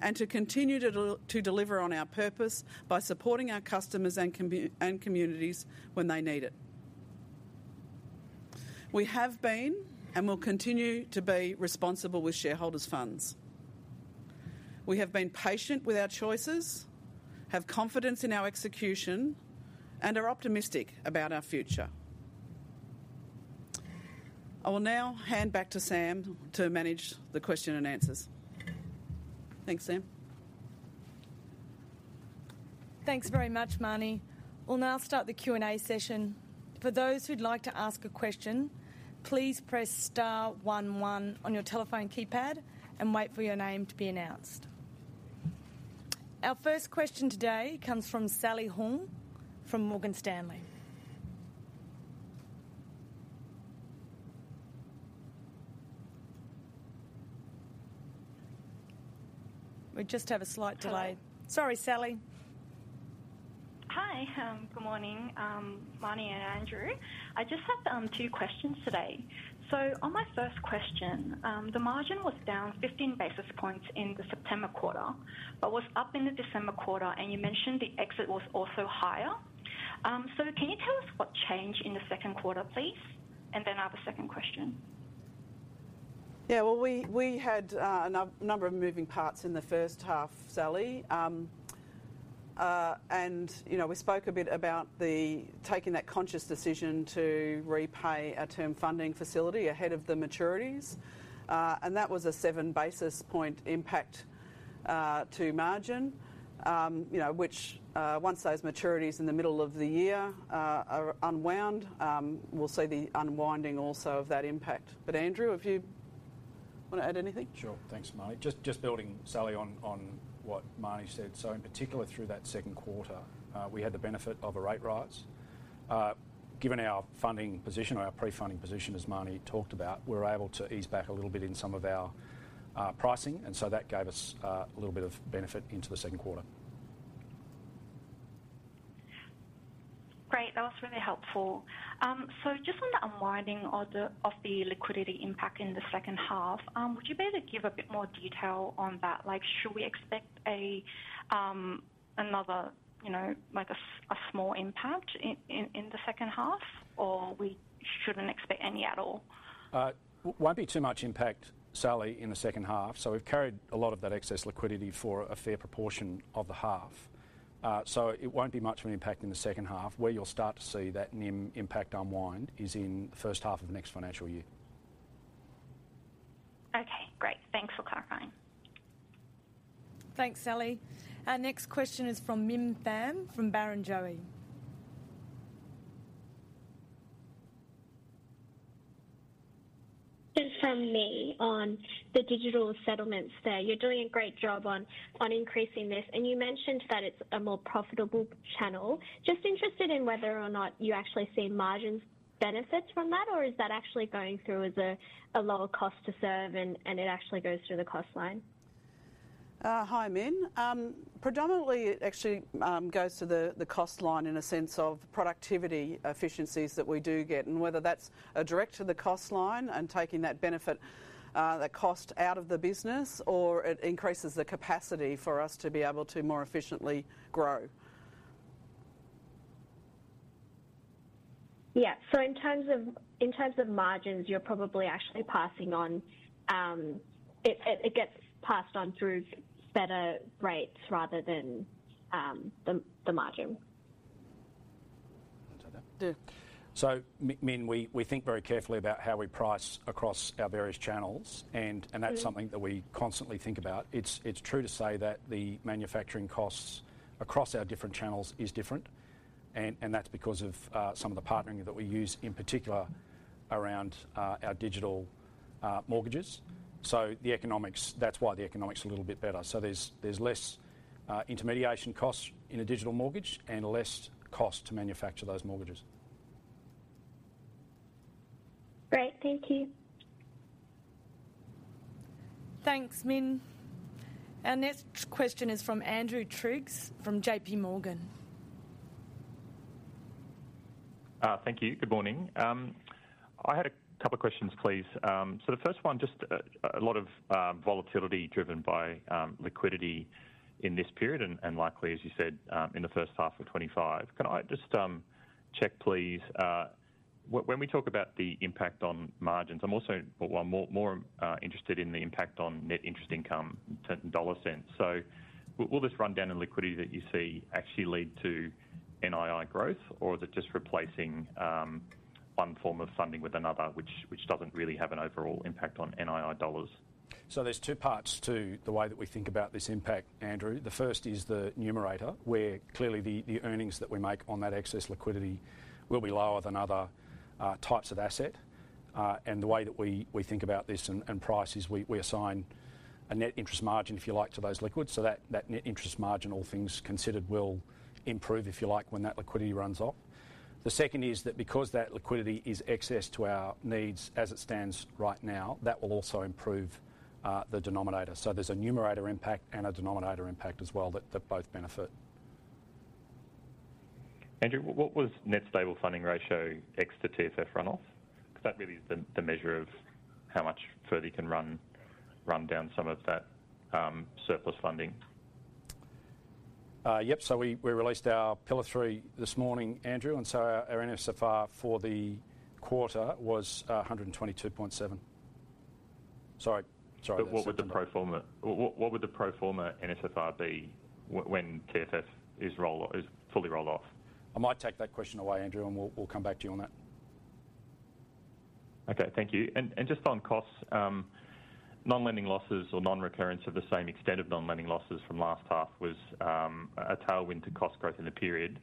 and to continue to deliver on our purpose by supporting our customers and communities when they need it. We have been and will continue to be responsible with shareholders' funds. We have been patient with our choices, have confidence in our execution, and are optimistic about our future. I will now hand back to Sam to manage the question and answers. Thanks, Sam. Thanks very much, Marnie. We'll now start the Q&A session. For those who'd like to ask a question, please press star one one on your telephone keypad and wait for your name to be announced. Our first question today comes from Sally Hong from Morgan Stanley. We just have a slight delay. Sorry, Sally. Hi, good morning, Marnie and Andrew. I just have two questions today. So on my first question, the margin was down 15 basis points in the September quarter but was up in the December quarter, and you mentioned the exit was also higher. So can you tell us what changed in the second quarter, please? And then I have a second question. Yeah, well, we had a number of moving parts in the first half, Sally. We spoke a bit about taking that conscious decision to repay our Term Funding Facility ahead of the maturities, and that was a 7 basis point impact to margin, which once those maturities in the middle of the year are unwound, we'll see the unwinding also of that impact. But Andrew, if you want to add anything. Sure, thanks, Marnie. Just building, Sally, on what Marnie said. So in particular, through that second quarter, we had the benefit of a rate rise. Given our funding position or our pre-funding position, as Marnie talked about, we were able to ease back a little bit in some of our pricing, and so that gave us a little bit of benefit into the second quarter. Great, that was really helpful. So just on the unwinding of the liquidity impact in the second half, would you be able to give a bit more detail on that? Should we expect another small impact in the second half, or should we not expect any at all? It won't be too much impact, Sally, in the second half. So we've carried a lot of that excess liquidity for a fair proportion of the half. So it won't be much of an impact in the second half. Where you'll start to see that NIM impact unwind is in the first half of next financial year. Okay, great. Thanks for clarifying. Thanks, Sally. Our next question is from Minh Pham from Barrenjoey. This is from me on the digital deposits there. You're doing a great job on increasing this, and you mentioned that it's a more profitable channel. Just interested in whether or not you actually see margins benefit from that, or is that actually going through as a lower cost to serve, and it actually goes through the cost line? Hi, Minh. Predominantly, it actually goes through the cost line in a sense of productivity efficiencies that we do get, and whether that's a direct to the cost line and taking that benefit, that cost, out of the business, or it increases the capacity for us to be able to more efficiently grow. Yeah, so in terms of margins, you're probably actually passing on. It gets passed on through better rates rather than the margin. So, Minh, we think very carefully about how we price across our various channels, and that's something that we constantly think about. It's true to say that the manufacturing costs across our different channels are different, and that's because of some of the partnering that we use in particular around our digital mortgages. So that's why the economics are a little bit better. So there's less intermediation cost in a digital mortgage and less cost to manufacture those mortgages. Great, thank you. Thanks, Minh. Our next question is from Andrew Triggs from J.P. Morgan. Thank you, good morning. I had a couple of questions, please. So the first one, just a lot of volatility driven by liquidity in this period and likely, as you said, in the first half of 2025. Can I just check, please? When we talk about the impact on margins, I'm also more interested in the impact on net interest income, dollar cents. So will this rundown in liquidity that you see actually lead to NII growth, or is it just replacing one form of funding with another, which doesn't really have an overall impact on NII dollars? So there's two parts to the way that we think about this impact, Andrew. The first is the numerator, where clearly the earnings that we make on that excess liquidity will be lower than other types of asset. And the way that we think about this and price is we assign a net interest margin, if you like, to that liquidity. So that net interest margin, all things considered, will improve, if you like, when that liquidity runs up. The second is that because that liquidity is excess to our needs as it stands right now, that will also improve the denominator. So there's a numerator impact and a denominator impact as well that both benefit. Andrew, what was net stable funding ratio ex to TFF runoff? Because that really is the measure of how much further you can run down some of that surplus funding. Yep, so we released our Pillar III this morning, Andrew, and so our NSFR for the quarter was 122.7. Sorry, sorry about that. But what would the pro forma NSFR be when TFF is fully rolled off? I might take that question away, Andrew, and we'll come back to you on that. Okay, thank you. And just on costs, non-lending losses or non-recurrence of the same extent of non-lending losses from last half was a tailwind to cost growth in the period.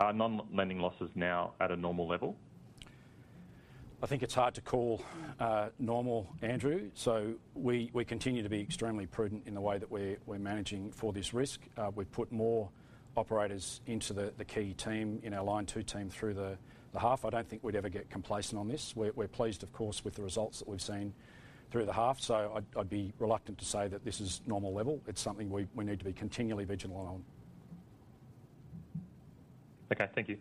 Are non-lending losses now at a normal level? I think it's hard to call normal, Andrew. So we continue to be extremely prudent in the way that we're managing for this risk. We've put more operators into the key team in our line two team through the half. I don't think we'd ever get complacent on this. We're pleased, of course, with the results that we've seen through the half. So I'd be reluctant to say that this is normal level. It's something we need to be continually vigilant on. Okay, thank you.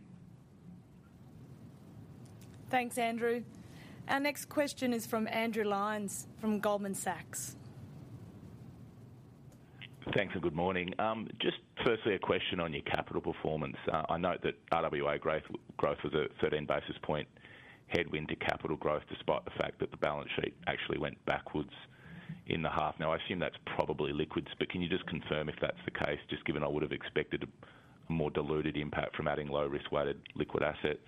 Thanks, Andrew. Our next question is from Andrew Lyons from Goldman Sachs. Thanks and good morning. Just firstly, a question on your capital performance. I note that RWA growth was a 13 basis points headwind to capital growth despite the fact that the balance sheet actually went backwards in the half. Now, I assume that's probably liquids, but can you just confirm if that's the case, just given I would have expected a more diluted impact from adding low-risk-weighted liquid assets?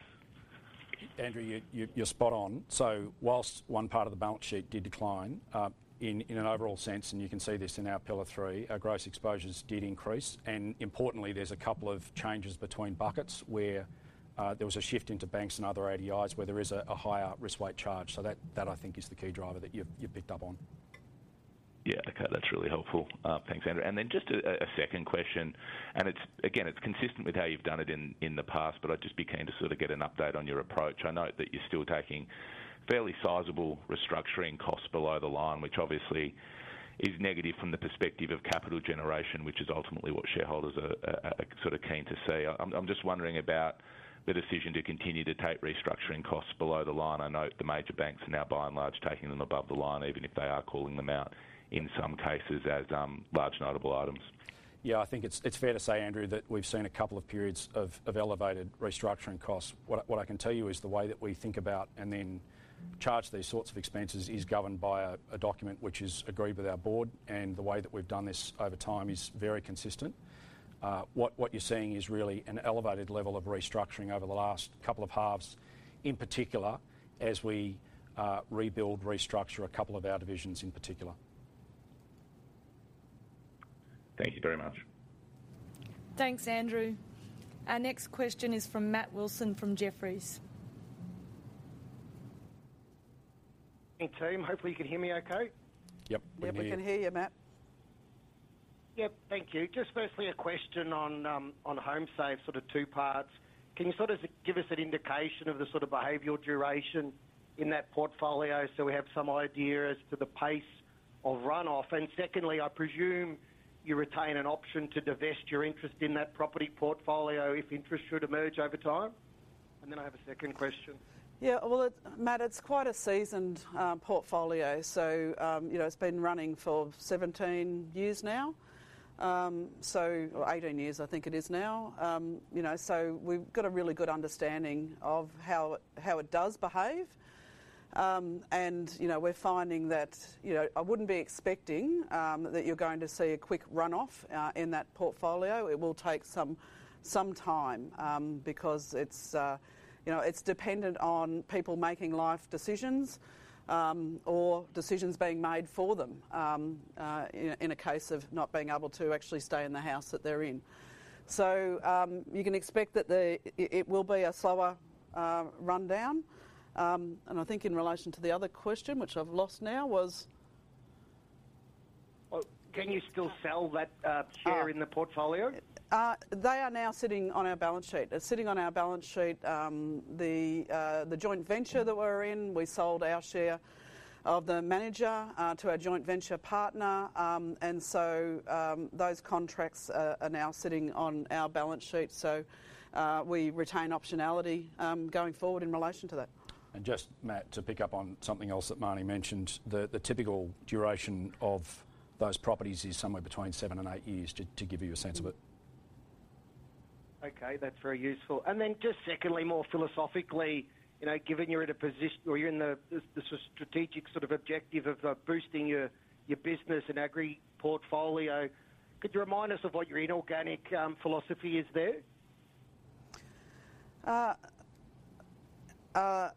Andrew, you're spot on. While one part of the balance sheet did decline in an overall sense, and you can see this in our Pillar III, our gross exposures did increase. Importantly, there's a couple of changes between buckets where there was a shift into banks and other ADIs where there is a higher risk-weight charge. That, I think, is the key driver that you've picked up on. Yeah, okay, that's really helpful. Thanks, Andrew. And then just a second question, and again, it's consistent with how you've done it in the past, but I just want to sort of get an update on your approach. I note that you're still taking fairly sizable restructuring costs below the line, which obviously is negative from the perspective of capital generation, which is ultimately what shareholders are sort of keen to see. I'm just wondering about the decision to continue to take restructuring costs below the line. I note the major banks are now, by and large, taking them above the line, even if they are calling them out in some cases as large notable items. Yeah, I think it's fair to say, Andrew, that we've seen a couple of periods of elevated restructuring costs. What I can tell you is the way that we think about and then charge these sorts of expenses is governed by a document which is agreed with our board, and the way that we've done this over time is very consistent. What you're seeing is really an elevated level of restructuring over the last couple of halves, in particular, as we rebuild, restructure a couple of our divisions in particular. Thank you very much. Thanks, Andrew. Our next question is from Matt Wilson from Jefferies. Hey team, hopefully you can hear me okay. Yep. We can hear you, Matt. Yep, thank you. Just firstly, a question on HomeSafe, sort of two parts. Can you sort of give us an indication of the sort of behavioural duration in that portfolio so we have some idea as to the pace of runoff? And secondly, I presume you retain an option to divest your interest in that property portfolio if interest should emerge over time? And then I have a second question. Yeah, well, Matt, it's quite a seasoned portfolio. So it's been running for 17 years now, or 18 years, I think it is now. So we've got a really good understanding of how it does behave, and we're finding that I wouldn't be expecting that you're going to see a quick runoff in that portfolio. It will take some time because it's dependent on people making life decisions or decisions being made for them in a case of not being able to actually stay in the house that they're in. So you can expect that it will be a slower rundown. And I think in relation to the other question, which I've lost now, was. Can you still sell that share in the portfolio? They are now sitting on our balance sheet. Sitting on our balance sheet, the joint venture that we're in, we sold our share of the manager to our joint venture partner, and so those contracts are now sitting on our balance sheet. So we retain optionality going forward in relation to that. Just, Matt, to pick up on something else that Marnie mentioned, the typical duration of those properties is somewhere between seven and eight years, to give you a sense of it. Okay, that's very useful. Then just secondly, more philosophically, given you're in a position or you're in the strategic sort of objective of boosting your Business and Agri portfolio, could you remind us of what your inorganic philosophy is there?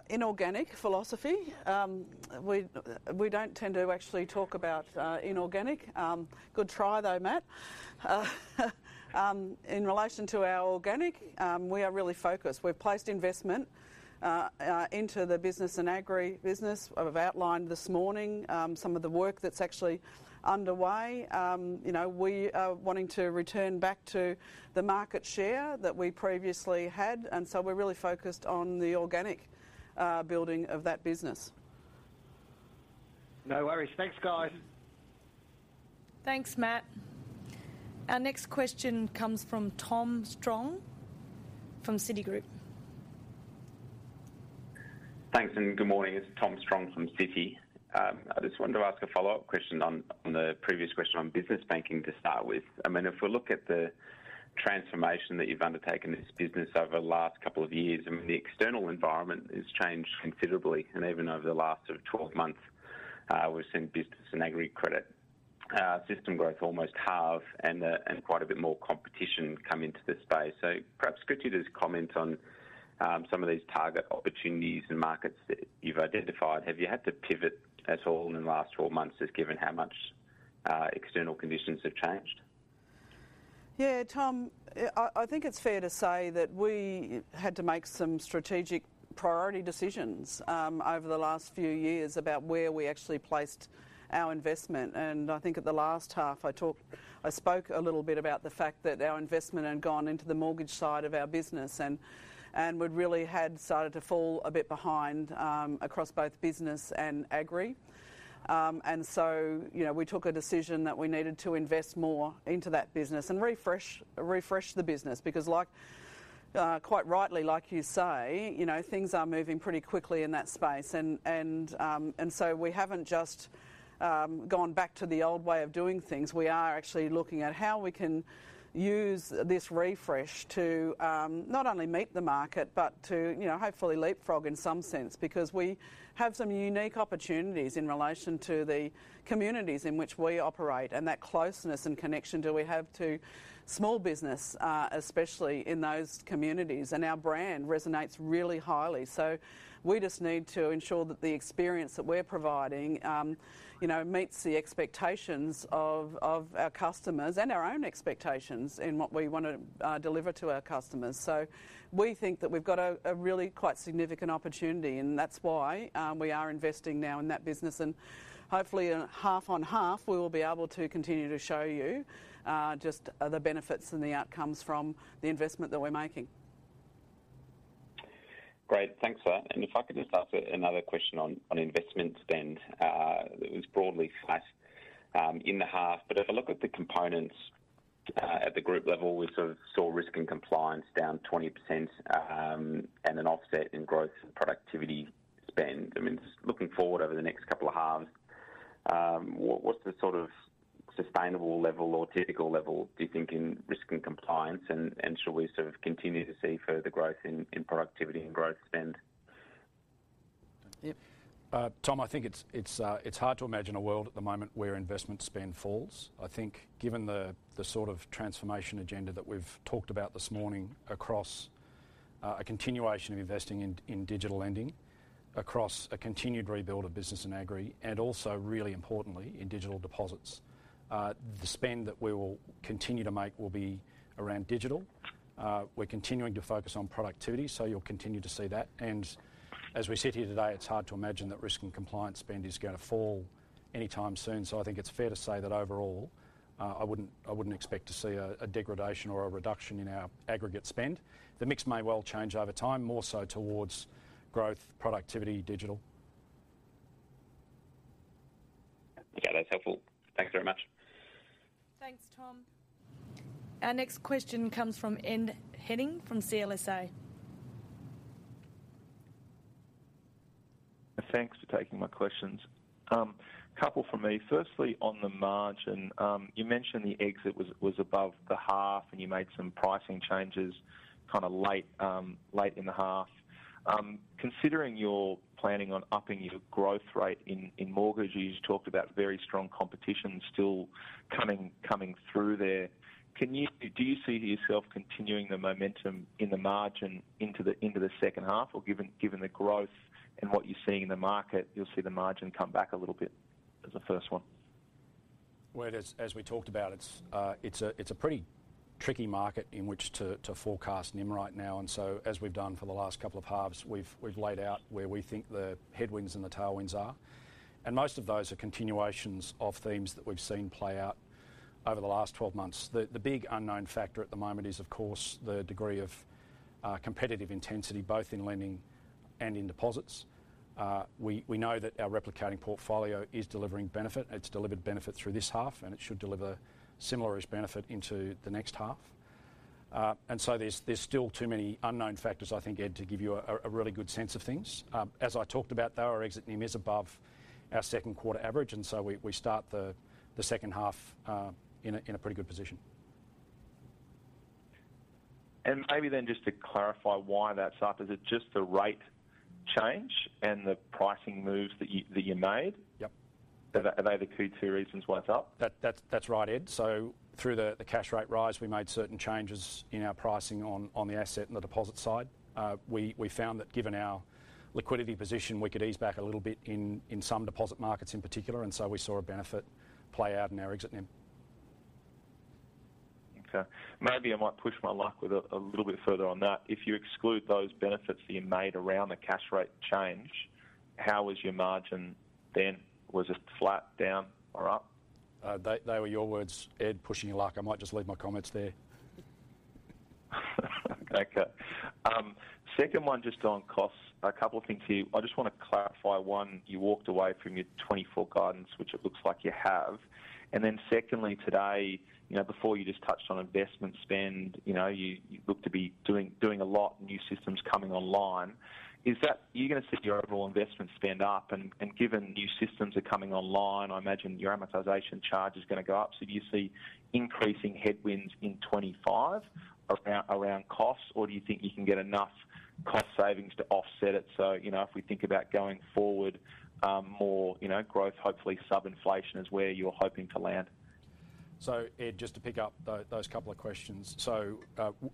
Inorganic philosophy? We don't tend to actually talk about inorganic. Good try, though, Matt. In relation to our organic, we are really focused. We've placed investment into the Business and Agribusiness. I've outlined this morning some of the work that's actually underway. We are wanting to return back to the market share that we previously had, and so we're really focused on the organic building of that business. No worries. Thanks, guys. Thanks, Matt. Our next question comes from Tom Strong from Citigroup. Thanks, and good morning. It's Tom Strong from Citi. I just wanted to ask a follow-up question on the previous question on business banking to start with. I mean, if we look at the transformation that you've undertaken in this business over the last couple of years, I mean, the external environment has changed considerably, and even over the last sort of 12 months, we've seen Business and Agri credit system growth almost halve and quite a bit more competition come into the space. So perhaps could you just comment on some of these target opportunities and markets that you've identified? Have you had to pivot at all in the last 12 months, just given how much external conditions have changed? Yeah, Tom, I think it's fair to say that we had to make some strategic priority decisions over the last few years about where we actually placed our investment. And I think at the last half, I spoke a little bit about the fact that our investment had gone into the mortgage side of our business and would really have started to fall a bit behind across both Business and Agri. And so we took a decision that we needed to invest more into that business and refresh the business because, quite rightly, like you say, things are moving pretty quickly in that space. And so we haven't just gone back to the old way of doing things. We are actually looking at how we can use this refresh to not only meet the market but to hopefully leapfrog in some sense because we have some unique opportunities in relation to the communities in which we operate and that closeness and connection do we have to small business, especially in those communities. And our brand resonates really highly. So we just need to ensure that the experience that we're providing meets the expectations of our customers and our own expectations in what we want to deliver to our customers. So we think that we've got a really quite significant opportunity, and that's why we are investing now in that business. And hopefully, half-on-half, we will be able to continue to show you just the benefits and the outcomes from the investment that we're making. Great, thanks, Marn. And if I could just ask another question on investment spend that was broadly right in the half. But if I look at the components at the group level, we sort of saw Risk and Compliance down 20% and an offset in growth and productivity spend. I mean, looking forward over the next couple of halves, what's the sort of sustainable level or typical level, do you think, in Risk and Compliance? And shall we sort of continue to see further growth in productivity and growth spend? Tom, I think it's hard to imagine a world at the moment where investment spend falls. I think given the sort of transformation agenda that we've talked about this morning across a continuation of investing in digital lending, across a continued rebuild of Business and Agri, and also, really importantly, in digital deposits, the spend that we will continue to make will be around digital. We're continuing to focus on productivity, so you'll continue to see that. As we sit here today, it's hard to imagine that Risk and Compliance spend is going to fall anytime soon. I think it's fair to say that overall, I wouldn't expect to see a degradation or a reduction in our aggregate spend. The mix may well change over time, more so towards growth, productivity, digital. Okay, that's helpful. Thanks very much. Thanks, Tom. Our next question comes from Ed Henning from CLSA. Thanks for taking my questions. A couple from me. Firstly, on the margin, you mentioned the exit was above the half, and you made some pricing changes kind of late in the half. Considering you're planning on upping your growth rate in mortgages, you talked about very strong competition still coming through there. Do you see yourself continuing the momentum in the margin into the second half, or given the growth and what you're seeing in the market, you'll see the margin come back a little bit as a first one? Well, as we talked about, it's a pretty tricky market in which to forecast NIM right now. And so as we've done for the last couple of halves, we've laid out where we think the headwinds and the tailwinds are. And most of those are continuations of themes that we've seen play out over the last 12 months. The big unknown factor at the moment is, of course, the degree of competitive intensity, both in lending and in deposits. We know that our replicating portfolio is delivering benefit. It's delivered benefit through this half, and it should deliver similar-ish benefit into the next half. And so there's still too many unknown factors, I think, Ed, to give you a really good sense of things. As I talked about, though, our exit NIM is above our second-quarter average, and so we start the second half in a pretty good position. Maybe then just to clarify why that's up, is it just the rate change and the pricing moves that you made? Yep. Are they the key two reasons why it's up? That's right, Ed. So through the cash rate rise, we made certain changes in our pricing on the asset and the deposit side. We found that given our liquidity position, we could ease back a little bit in some deposit markets in particular, and so we saw a benefit play out in our exit NIM. Okay. Maybe I might push my luck with it a little bit further on that. If you exclude those benefits that you made around the cash rate change, how was your margin then? Was it flat, down, or up? They were your words, Ed, pushing your luck. I might just leave my comments there. Okay. Second one, just on costs, a couple of things here. I just want to clarify one. You walked away from your 2024 guidance, which it looks like you have. And then secondly, today, before you just touched on investment spend, you look to be doing a lot, new systems coming online. Are you going to see your overall investment spend up? And given new systems are coming online, I imagine your amortization charge is going to go up. So do you see increasing headwinds in 2025 around costs, or do you think you can get enough cost savings to offset it? So if we think about going forward, more growth, hopefully sub-inflation is where you're hoping to land. So Ed, just to pick up those couple of questions. So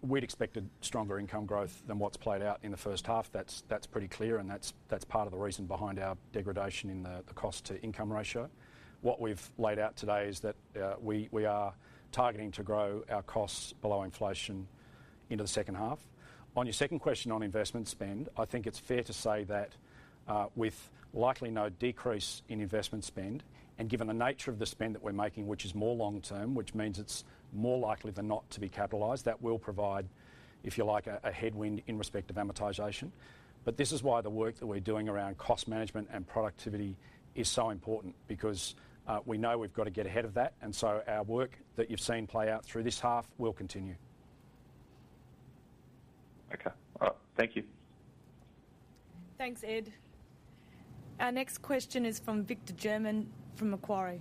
we'd expected stronger income growth than what's played out in the first half. That's pretty clear, and that's part of the reason behind our degradation in the cost-to-income ratio. What we've laid out today is that we are targeting to grow our costs below inflation into the second half. On your second question on investment spend, I think it's fair to say that with likely no decrease in investment spend, and given the nature of the spend that we're making, which is more long-term, which means it's more likely than not to be capitalized, that will provide, if you like, a headwind in respect of amortization. But this is why the work that we're doing around cost management and productivity is so important because we know we've got to get ahead of that. Our work that you've seen play out through this half will continue. Okay. Thank you. Thanks, Ed. Our next question is from Victor German from Macquarie.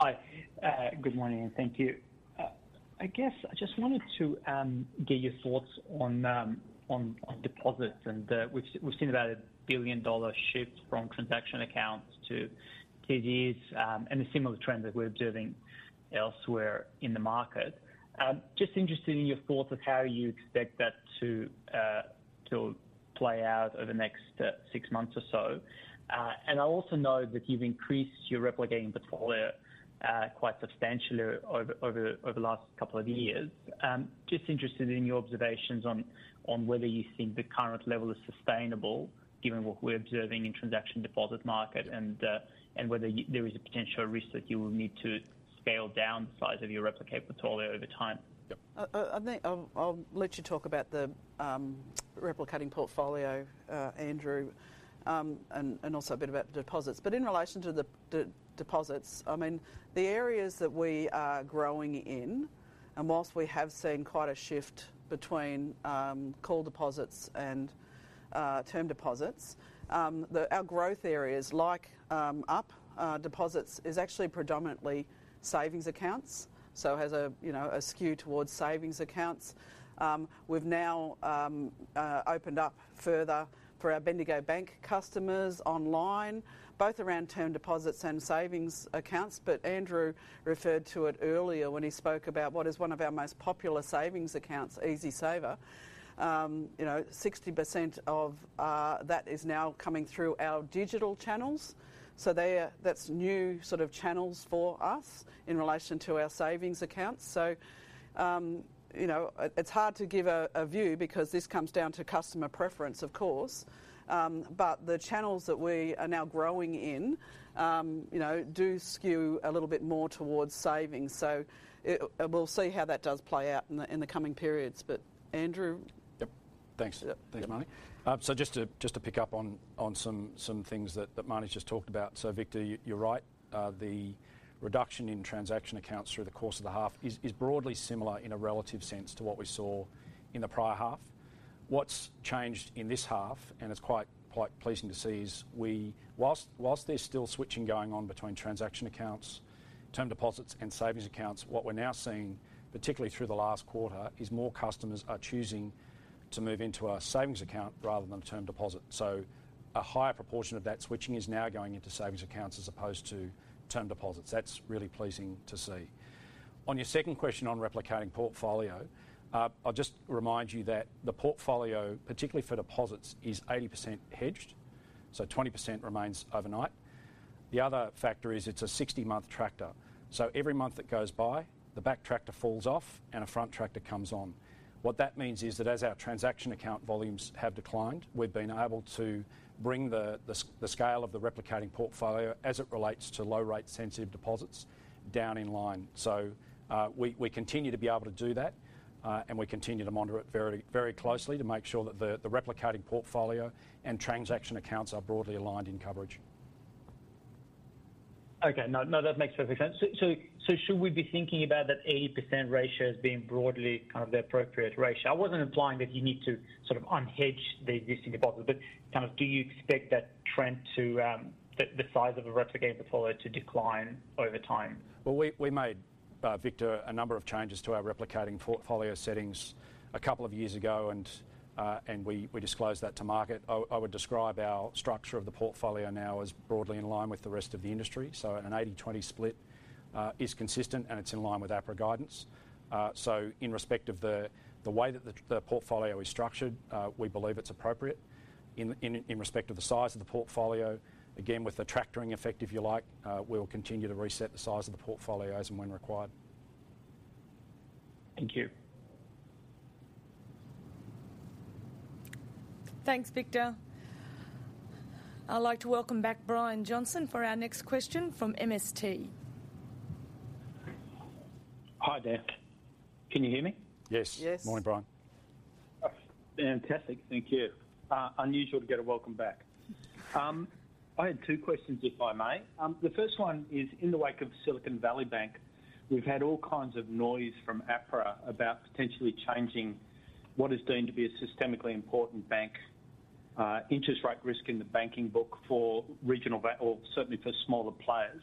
Hi. Good morning, and thank you. I guess I just wanted to get your thoughts on deposits. We've seen about an 1 billion dollar shift from transactional accounts to TDs and a similar trend that we're observing elsewhere in the market. Just interested in your thoughts of how you expect that to play out over the next six months or so. I also know that you've increased your replicating portfolio quite substantially over the last couple of years. Just interested in your observations on whether you think the current level is sustainable, given what we're observing in the transactional deposit market, and whether there is a potential risk that you will need to scale down the size of your replicate portfolio over time. Yep. I think I'll let you talk about the replicating portfolio, Andrew, and also a bit about the deposits. But in relation to the deposits, I mean, the areas that we are growing in, and while we have seen quite a shift between call deposits and term deposits, our growth areas, like Up deposits, is actually predominantly savings accounts. So it has a skew towards savings accounts. We've now opened up further for our Bendigo Bank customers online, both around term deposits and savings accounts. But Andrew referred to it earlier when he spoke about what is one of our most popular savings accounts, EasySaver. 60% of that is now coming through our digital channels. So that's new sort of channels for us in relation to our savings accounts. So it's hard to give a view because this comes down to customer preference, of course. But the channels that we are now growing in do skew a little bit more towards savings. So we'll see how that does play out in the coming periods. But Andrew? Yep. Thanks. Thanks, Marnie. So just to pick up on some things that Marnie's just talked about. So Victor, you're right. The reduction in transactional accounts through the course of the half is broadly similar in a relative sense to what we saw in the prior half. What's changed in this half, and it's quite pleasing to see, is whilst there's still switching going on between transactional accounts, term deposits, and savings accounts, what we're now seeing, particularly through the last quarter, is more customers are choosing to move into a savings account rather than a term deposit. So a higher proportion of that switching is now going into savings accounts as opposed to term deposits. That's really pleasing to see. On your second question on replicating portfolio, I'll just remind you that the portfolio, particularly for deposits, is 80% hedged. So 20% remains overnight. The other factor is it's a 60-month tranche. So every month that goes by, the back tranche falls off and a front tranche comes on. What that means is that as our transactional account volumes have declined, we've been able to bring the scale of the replicating portfolio, as it relates to low-rate-sensitive deposits, down in line. So we continue to be able to do that, and we continue to monitor it very closely to make sure that the replicating portfolio and transactional accounts are broadly aligned in coverage. Okay. No, that makes perfect sense. So should we be thinking about that 80% ratio as being broadly kind of the appropriate ratio? I wasn't implying that you need to sort of unhedge the existing deposits, but kind of do you expect that trend to the size of a replicating portfolio to decline over time? Well, we made, Victor, a number of changes to our replicating portfolio settings a couple of years ago, and we disclosed that to market. I would describe our structure of the portfolio now as broadly in line with the rest of the industry. So an 80/20 split is consistent, and it's in line with APRA guidance. So in respect of the way that the portfolio is structured, we believe it's appropriate. In respect of the size of the portfolio, again, with the tracking effect, if you like, we will continue to reset the size of the portfolios when required. Thank you. Thanks, Victor. I'd like to welcome back Brian Johnson for our next question from MST. Hi, there. Can you hear me? Yes. Yes. Morning, Brian. Fantastic. Thank you. Unusual to get a welcome back. I had two questions, if I may. The first one is, in the wake of Silicon Valley Bank, we've had all kinds of noise from APRA about potentially changing what is deemed to be a systemically important bank Interest Rate Risk in the Banking Book for regional or certainly for smaller players.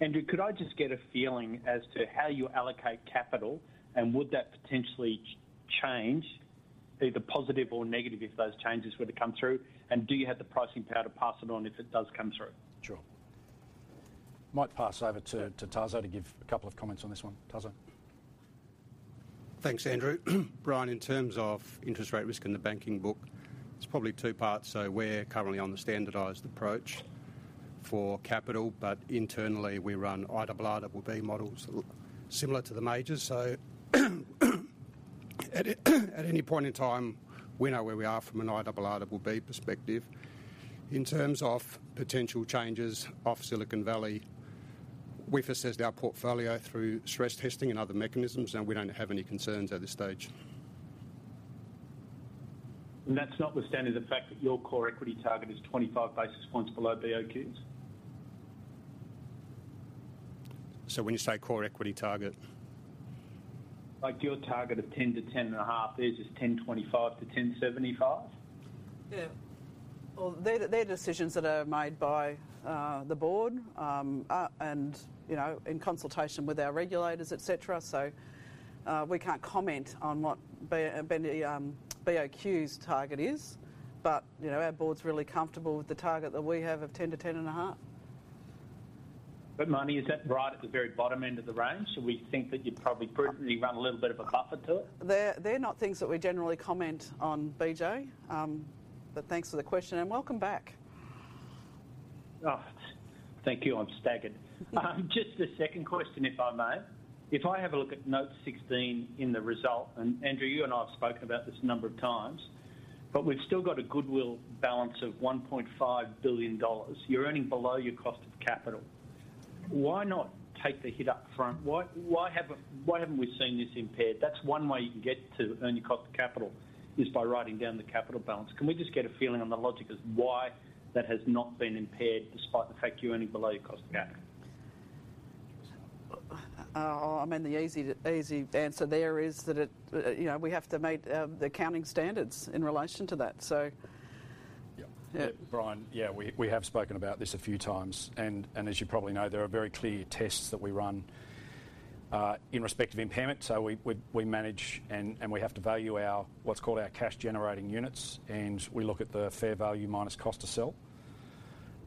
Andrew, could I just get a feeling as to how you allocate capital, and would that potentially change, either positive or negative, if those changes were to come through? And do you have the pricing power to pass it on if it does come through? Sure. Might pass over to Taso to give a couple of comments on this one. Taso? Thanks, Andrew. Brian, in terms of interest rate risk in the banking book, it's probably two parts. So we're currently on the standardized approach for capital, but internally, we run IRB models, similar to the majors. So at any point in time, we know where we are from an IRB perspective. In terms of potential changes of Silicon Valley, we've assessed our portfolio through stress testing and other mechanisms, and we don't have any concerns at this stage. That's notwithstanding the fact that your core equity target is 25 basis points below BOQ's? When you say core equity target? Like your target of 10-10.5, is this 10.25-10.75? Yeah. Well, they're decisions that are made by the board and in consultation with our regulators, etc. So we can't comment on what BOQ's target is, but our board's really comfortable with the target that we have of 10-10.5. Marnie, is that right at the very bottom end of the range? We think that you probably prudently run a little bit of a buffer to it. They're not things that we generally comment on, BJ. But thanks for the question, and welcome back. Thank you. I'm staggered. Just a second question, if I may. If I have a look at Note 16 in the result, and Andrew, you and I have spoken about this a number of times, but we've still got a goodwill balance of 1.5 billion dollars. You're earning below your cost of capital. Why not take the hit upfront? Why haven't we seen this impaired? That's one way you can get to earn your cost of capital is by writing down the capital balance. Can we just get a feeling on the logic as to why that has not been impaired despite the fact you're earning below your cost of capital? I mean, the easy answer there is that we have to meet the accounting standards in relation to that, so. Yeah. Brian, yeah, we have spoken about this a few times. And as you probably know, there are very clear tests that we run in respect of impairment. So we manage, and we have to value what's called our cash-generating units, and we look at the fair value minus cost to sell.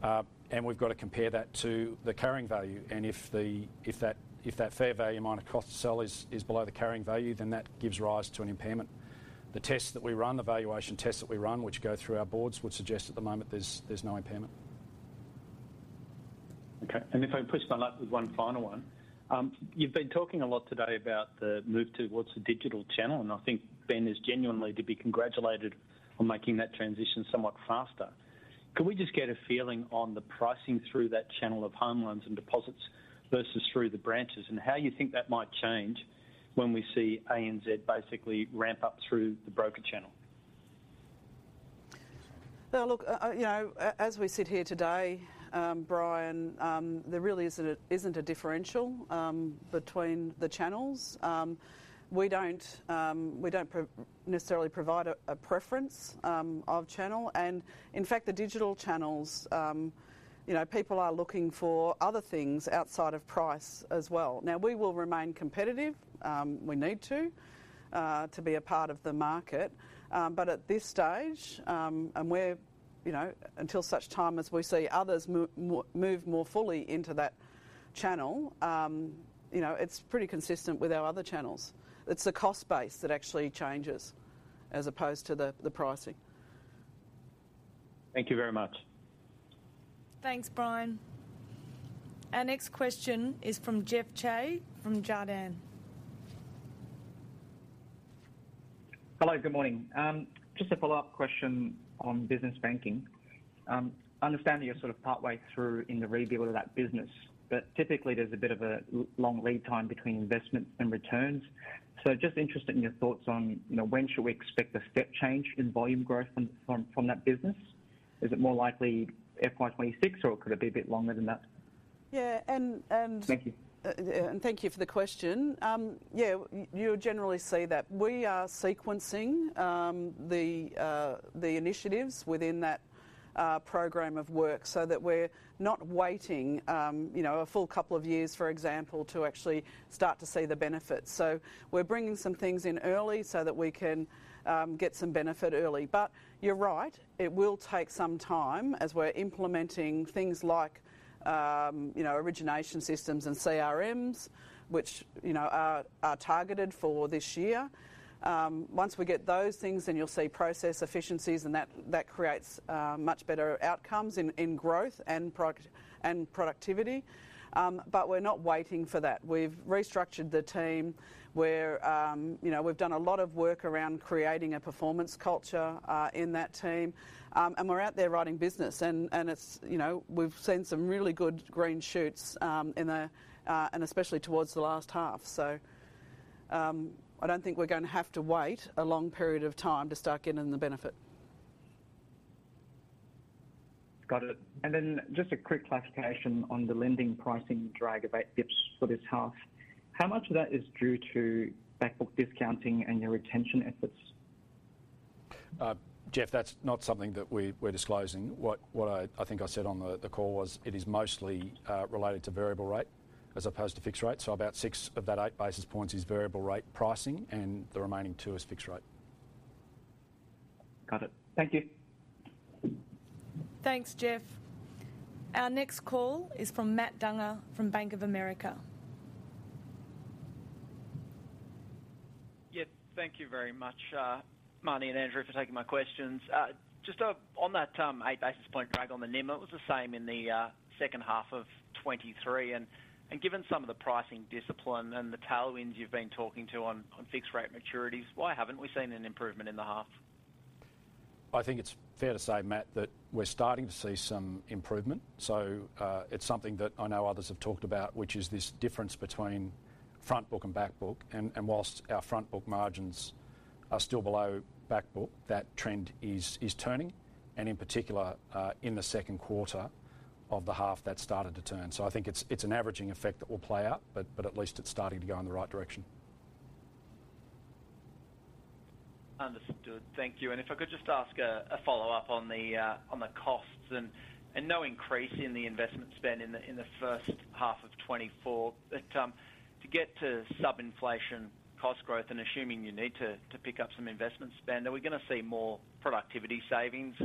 And we've got to compare that to the carrying value. And if that fair value minus cost to sell is below the carrying value, then that gives rise to an impairment. The tests that we run, the valuation tests that we run, which go through our boards, would suggest at the moment there's no impairment. Okay. And if I push my luck with one final one, you've been talking a lot today about the move towards a digital channel, and I think, Bendigo, there's genuinely to be congratulated on making that transition somewhat faster. Can we just get a feeling on the pricing through that channel of home loans and deposits versus through the branches, and how you think that might change when we see ANZ basically ramp up through the broker channel? No, look, as we sit here today, Brian, there really isn't a differential between the channels. We don't necessarily provide a preference of channel. And in fact, the digital channels, people are looking for other things outside of price as well. Now, we will remain competitive. We need to be a part of the market. But at this stage, and until such time as we see others move more fully into that channel, it's pretty consistent with our other channels. It's the cost base that actually changes as opposed to the pricing. Thank you very much. Thanks, Brian. Our next question is from Jeff Cai from Jarden. Hello. Good morning. Just a follow-up question on business banking. Understanding you're sort of partway through in the rebuild of that business, but typically, there's a bit of a long lead time between investments and returns. So just interested in your thoughts on when should we expect a step change in volume growth from that business? Is it more likely FY 2026, or could it be a bit longer than that? Yeah. And. Thank you. Thank you for the question. Yeah, you'll generally see that. We are sequencing the initiatives within that program of work so that we're not waiting a full couple of years, for example, to actually start to see the benefits. So we're bringing some things in early so that we can get some benefit early. But you're right. It will take some time as we're implementing things like origination systems and CRMs, which are targeted for this year. Once we get those things, then you'll see process efficiencies, and that creates much better outcomes in growth and productivity. But we're not waiting for that. We've restructured the team. We've done a lot of work around creating a performance culture in that team, and we're out there writing business. And we've seen some really good green shoots, and especially towards the last half. I don't think we're going to have to wait a long period of time to start getting the benefit. Got it. And then just a quick clarification on the lending pricing drag of 8 bps for this half. How much of that is due to backbook discounting and your retention efforts? Jeff, that's not something that we're disclosing. What I think I said on the call was it is mostly related to variable rate as opposed to fixed rate. So about 6 of that 8 basis points is variable rate pricing, and the remaining two is fixed rate. Got it. Thank you. Thanks, Jeff. Our next call is from Matt Dunger from Bank of America. Yes. Thank you very much, Marnie and Andrew, for taking my questions. Just on that 8 basis point drag on the NIM, it was the same in the second half of 2023. Given some of the pricing discipline and the tailwinds you've been talking to on fixed-rate maturities, why haven't we seen an improvement in the half? I think it's fair to say, Matt, that we're starting to see some improvement. So it's something that I know others have talked about, which is this difference between frontbook and backbook. And while our frontbook margins are still below backbook, that trend is turning, and in particular, in the second quarter of the half that started to turn. So I think it's an averaging effect that will play out, but at least it's starting to go in the right direction. Understood. Thank you. If I could just ask a follow-up on the costs and no increase in the investment spend in the first half of 2024, but to get to sub-inflation cost growth, and assuming you need to pick up some investment spend, are we going to see more productivity savings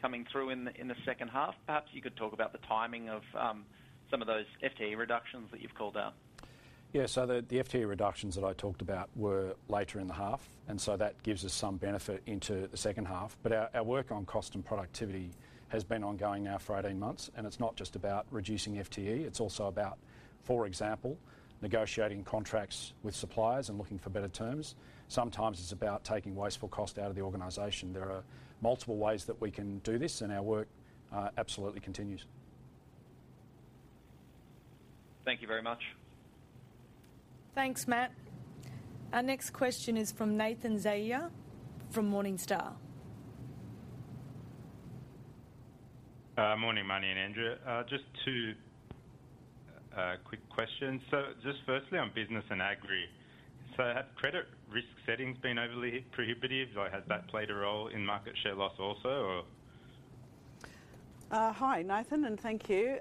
coming through in the second half? Perhaps you could talk about the timing of some of those FTE reductions that you've called out. Yeah. So the FTE reductions that I talked about were later in the half, and so that gives us some benefit into the second half. But our work on cost and productivity has been ongoing now for 18 months, and it's not just about reducing FTE. It's also about, for example, negotiating contracts with suppliers and looking for better terms. Sometimes it's about taking wasteful cost out of the organization. There are multiple ways that we can do this, and our work absolutely continues. Thank you very much. Thanks, Matt. Our next question is from Nathan Zaia from Morningstar. Morning, Marnie and Andrew. Just two quick questions. So just firstly, on Business and Agri, so have credit risk settings been overly prohibitive? Has that played a role in market share loss also, or? Hi, Nathan, and thank you.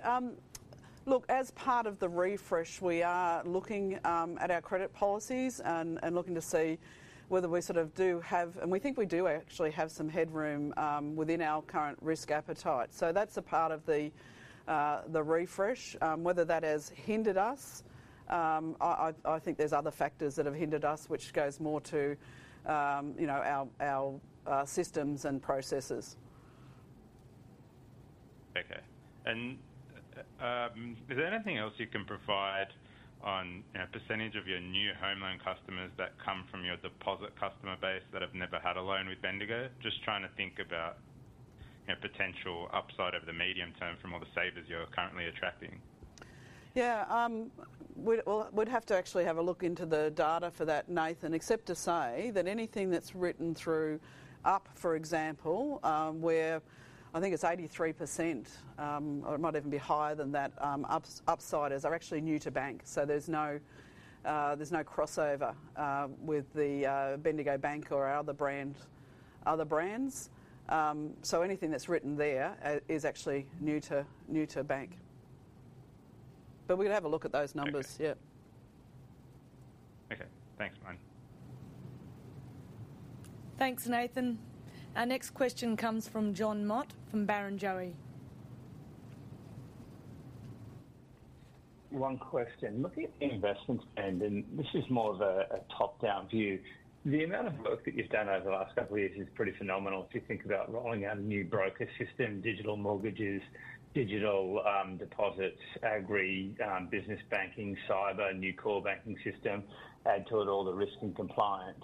Look, as part of the refresh, we are looking at our credit policies and looking to see whether we sort of do have and we think we do actually have some headroom within our current risk appetite. So that's a part of the refresh. Whether that has hindered us, I think there's other factors that have hindered us, which goes more to our systems and processes. Okay. And is there anything else you can provide on percentage of your new home loan customers that come from your deposit customer base that have never had a loan with Bendigo? Just trying to think about potential upside over the medium term from all the savers you're currently attracting. Yeah. Well, we'd have to actually have a look into the data for that, Nathan, except to say that anything that's written through Up, for example, where I think it's 83% or it might even be higher than that, Upsiders are actually new to bank. So there's no crossover with the Bendigo Bank or our other brands. So anything that's written there is actually new to bank. But we're going to have a look at those numbers. Yeah. Okay. Thanks, Marnie. Thanks, Nathan. Our next question comes from John Mott from Barrenjoey. One question. Looking at the investment spend, and this is more of a top-down view, the amount of work that you've done over the last couple of years is pretty phenomenal if you think about rolling out a new broker system, digital mortgages, digital deposits, agri, business banking, cyber, new core banking system, add to it all the Risk and Compliance.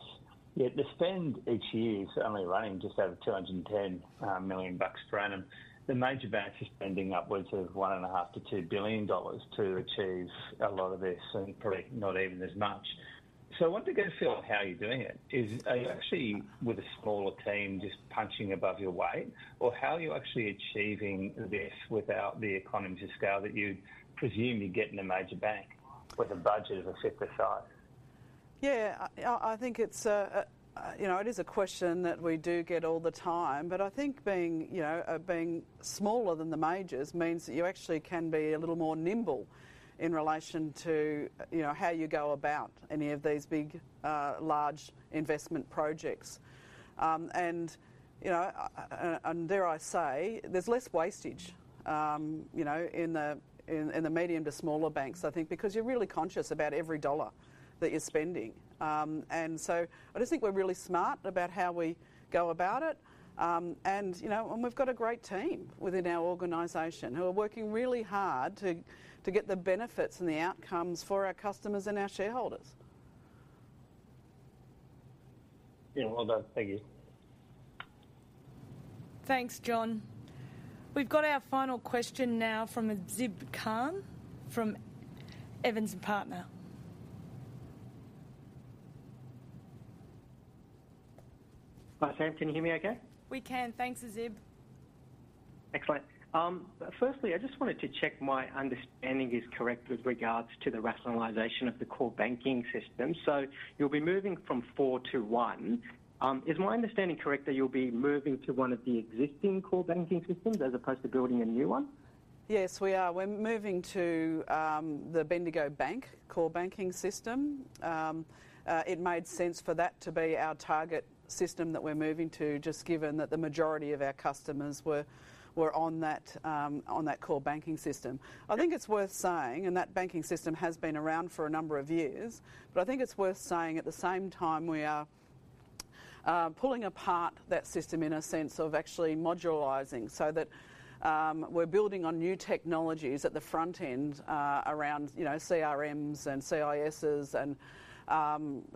Yet the spend each year is only running just over 210 million bucks per annum. The major banks are spending upwards of 1.5 billion-2 billion dollars to achieve a lot of this and probably not even as much. So I want to get a feel on how you're doing it? Are you actually with a smaller team just punching above your weight, or how are you actually achieving this without the economies of scale that you'd presume you'd get in a major bank with a budget of a fifth the size? Yeah. I think it is a question that we do get all the time. But I think being smaller than the majors means that you actually can be a little more nimble in relation to how you go about any of these big, large investment projects. And dare I say, there's less wastage in the medium to smaller banks, I think, because you're really conscious about every dollar that you're spending. And so I just think we're really smart about how we go about it. And we've got a great team within our organization who are working really hard to get the benefits and the outcomes for our customers and our shareholders. Yeah. Well done. Thank you. Thanks, John. We've got our final question now from Azib Khan from Evans & Partners. Hi, Sam. Can you hear me okay? We can. Thanks, Azib. Excellent. Firstly, I just wanted to check my understanding is correct with regards to the rationalization of the core banking system. So you'll be moving from four to one. Is my understanding correct that you'll be moving to one of the existing core banking systems as opposed to building a new one? Yes, we are. We're moving to the Bendigo Bank core banking system. It made sense for that to be our target system that we're moving to just given that the majority of our customers were on that core banking system. I think it's worth saying, and that banking system has been around for a number of years, but I think it's worth saying at the same time, we are pulling apart that system in a sense of actually modularizing so that we're building on new technologies at the front end around CRMs and CISs and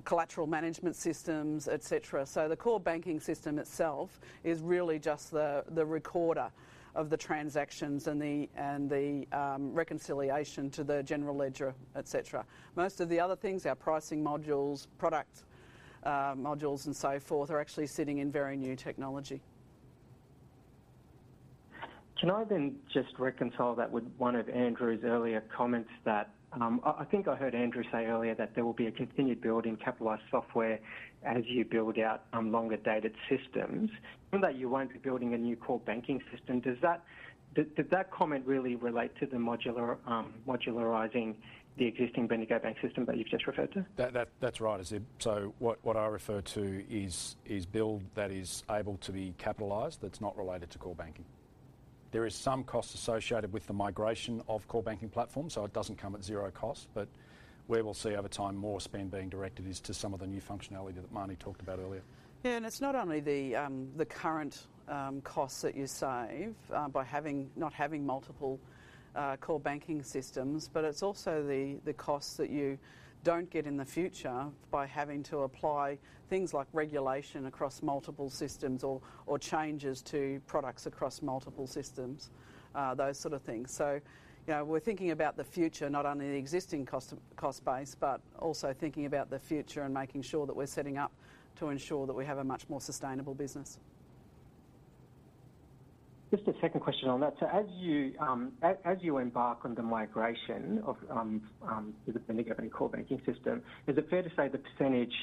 collateral management systems, etc. So the core banking system itself is really just the recorder of the transactions and the reconciliation to the general ledger, etc. Most of the other things, our pricing modules, product modules, and so forth, are actually sitting in very new technology. Can I then just reconcile that with one of Andrew's earlier comments that I think I heard Andrew say earlier that there will be a continued build in capitalized software as you build out longer-dated systems? Given that you won't be building a new core banking system, did that comment really relate to the modularizing the existing Bendigo Bank system that you've just referred to? That's right, Azib. So what I refer to is build that is able to be capitalized that's not related to core banking. There is some cost associated with the migration of core banking platforms, so it doesn't come at zero cost, but we will see over time more spend being directed to some of the new functionality that Marty talked about earlier. Yeah. It's not only the current costs that you save by not having multiple core banking systems, but it's also the costs that you don't get in the future by having to apply things like regulation across multiple systems or changes to products across multiple systems, those sort of things. So we're thinking about the future, not only the existing cost base, but also thinking about the future and making sure that we're setting up to ensure that we have a much more sustainable business. Just a second question on that. So as you embark on the migration to the Bendigo Bank core banking system, is it fair to say the percentage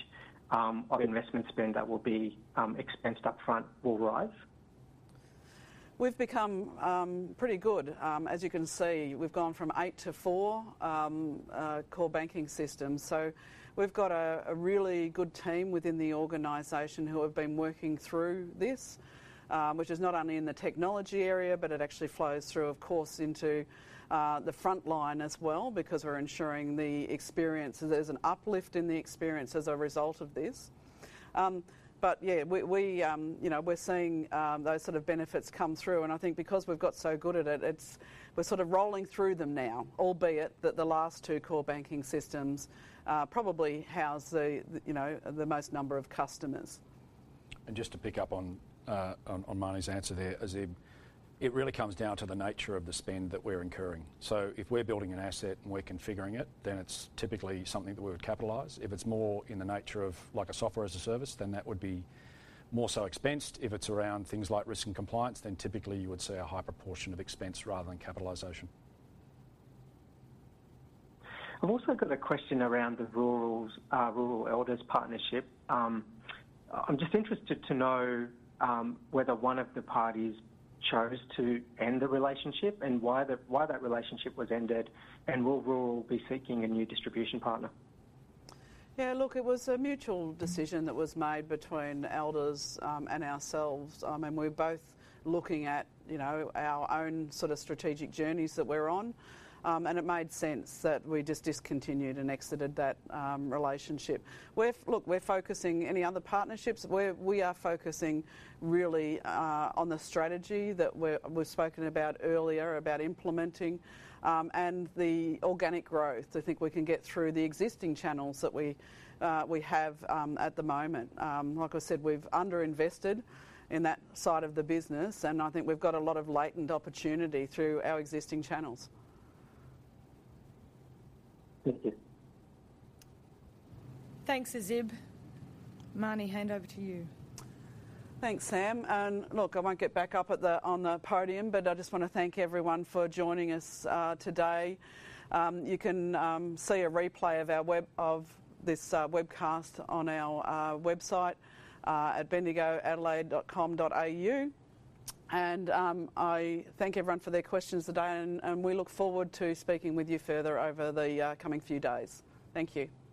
of investment spend that will be expensed upfront will rise? We've become pretty good. As you can see, we've gone from eight to four core banking systems. So we've got a really good team within the organization who have been working through this, which is not only in the technology area, but it actually flows through, of course, into the frontline as well because we're ensuring the experience that there's an uplift in the experience as a result of this. But yeah, we're seeing those sort of benefits come through. And I think because we've got so good at it, we're sort of rolling through them now, albeit that the last two core banking systems probably house the most number of customers. Just to pick up on Marnie's answer there, Azib, it really comes down to the nature of the spend that we're incurring. So if we're building an asset and we're configuring it, then it's typically something that we would capitalize. If it's more in the nature of a software as a service, then that would be more so expensed. If it's around things like Risk and Compliance, then typically, you would see a high proportion of expense rather than capitalization. I've also got a question around the Rural Elders partnership. I'm just interested to know whether one of the parties chose to end the relationship and why that relationship was ended and will Elders be seeking a new distribution partner? Yeah. Look, it was a mutual decision that was made between Elders and ourselves. I mean, we're both looking at our own sort of strategic journeys that we're on, and it made sense that we just discontinued and exited that relationship. Look, any other partnerships? We are focusing really on the strategy that we've spoken about earlier about implementing and the organic growth. I think we can get through the existing channels that we have at the moment. Like I said, we've underinvested in that side of the business, and I think we've got a lot of latent opportunity through our existing channels. Thank you. Thanks, Azib. Marnie, hand over to you. Thanks, Sam. And look, I won't get back up on the podium, but I just want to thank everyone for joining us today. You can see a replay of this webcast on our website at bendigo-adelaide.com.au. And I thank everyone for their questions today, and we look forward to speaking with you further over the coming few days. Thank you.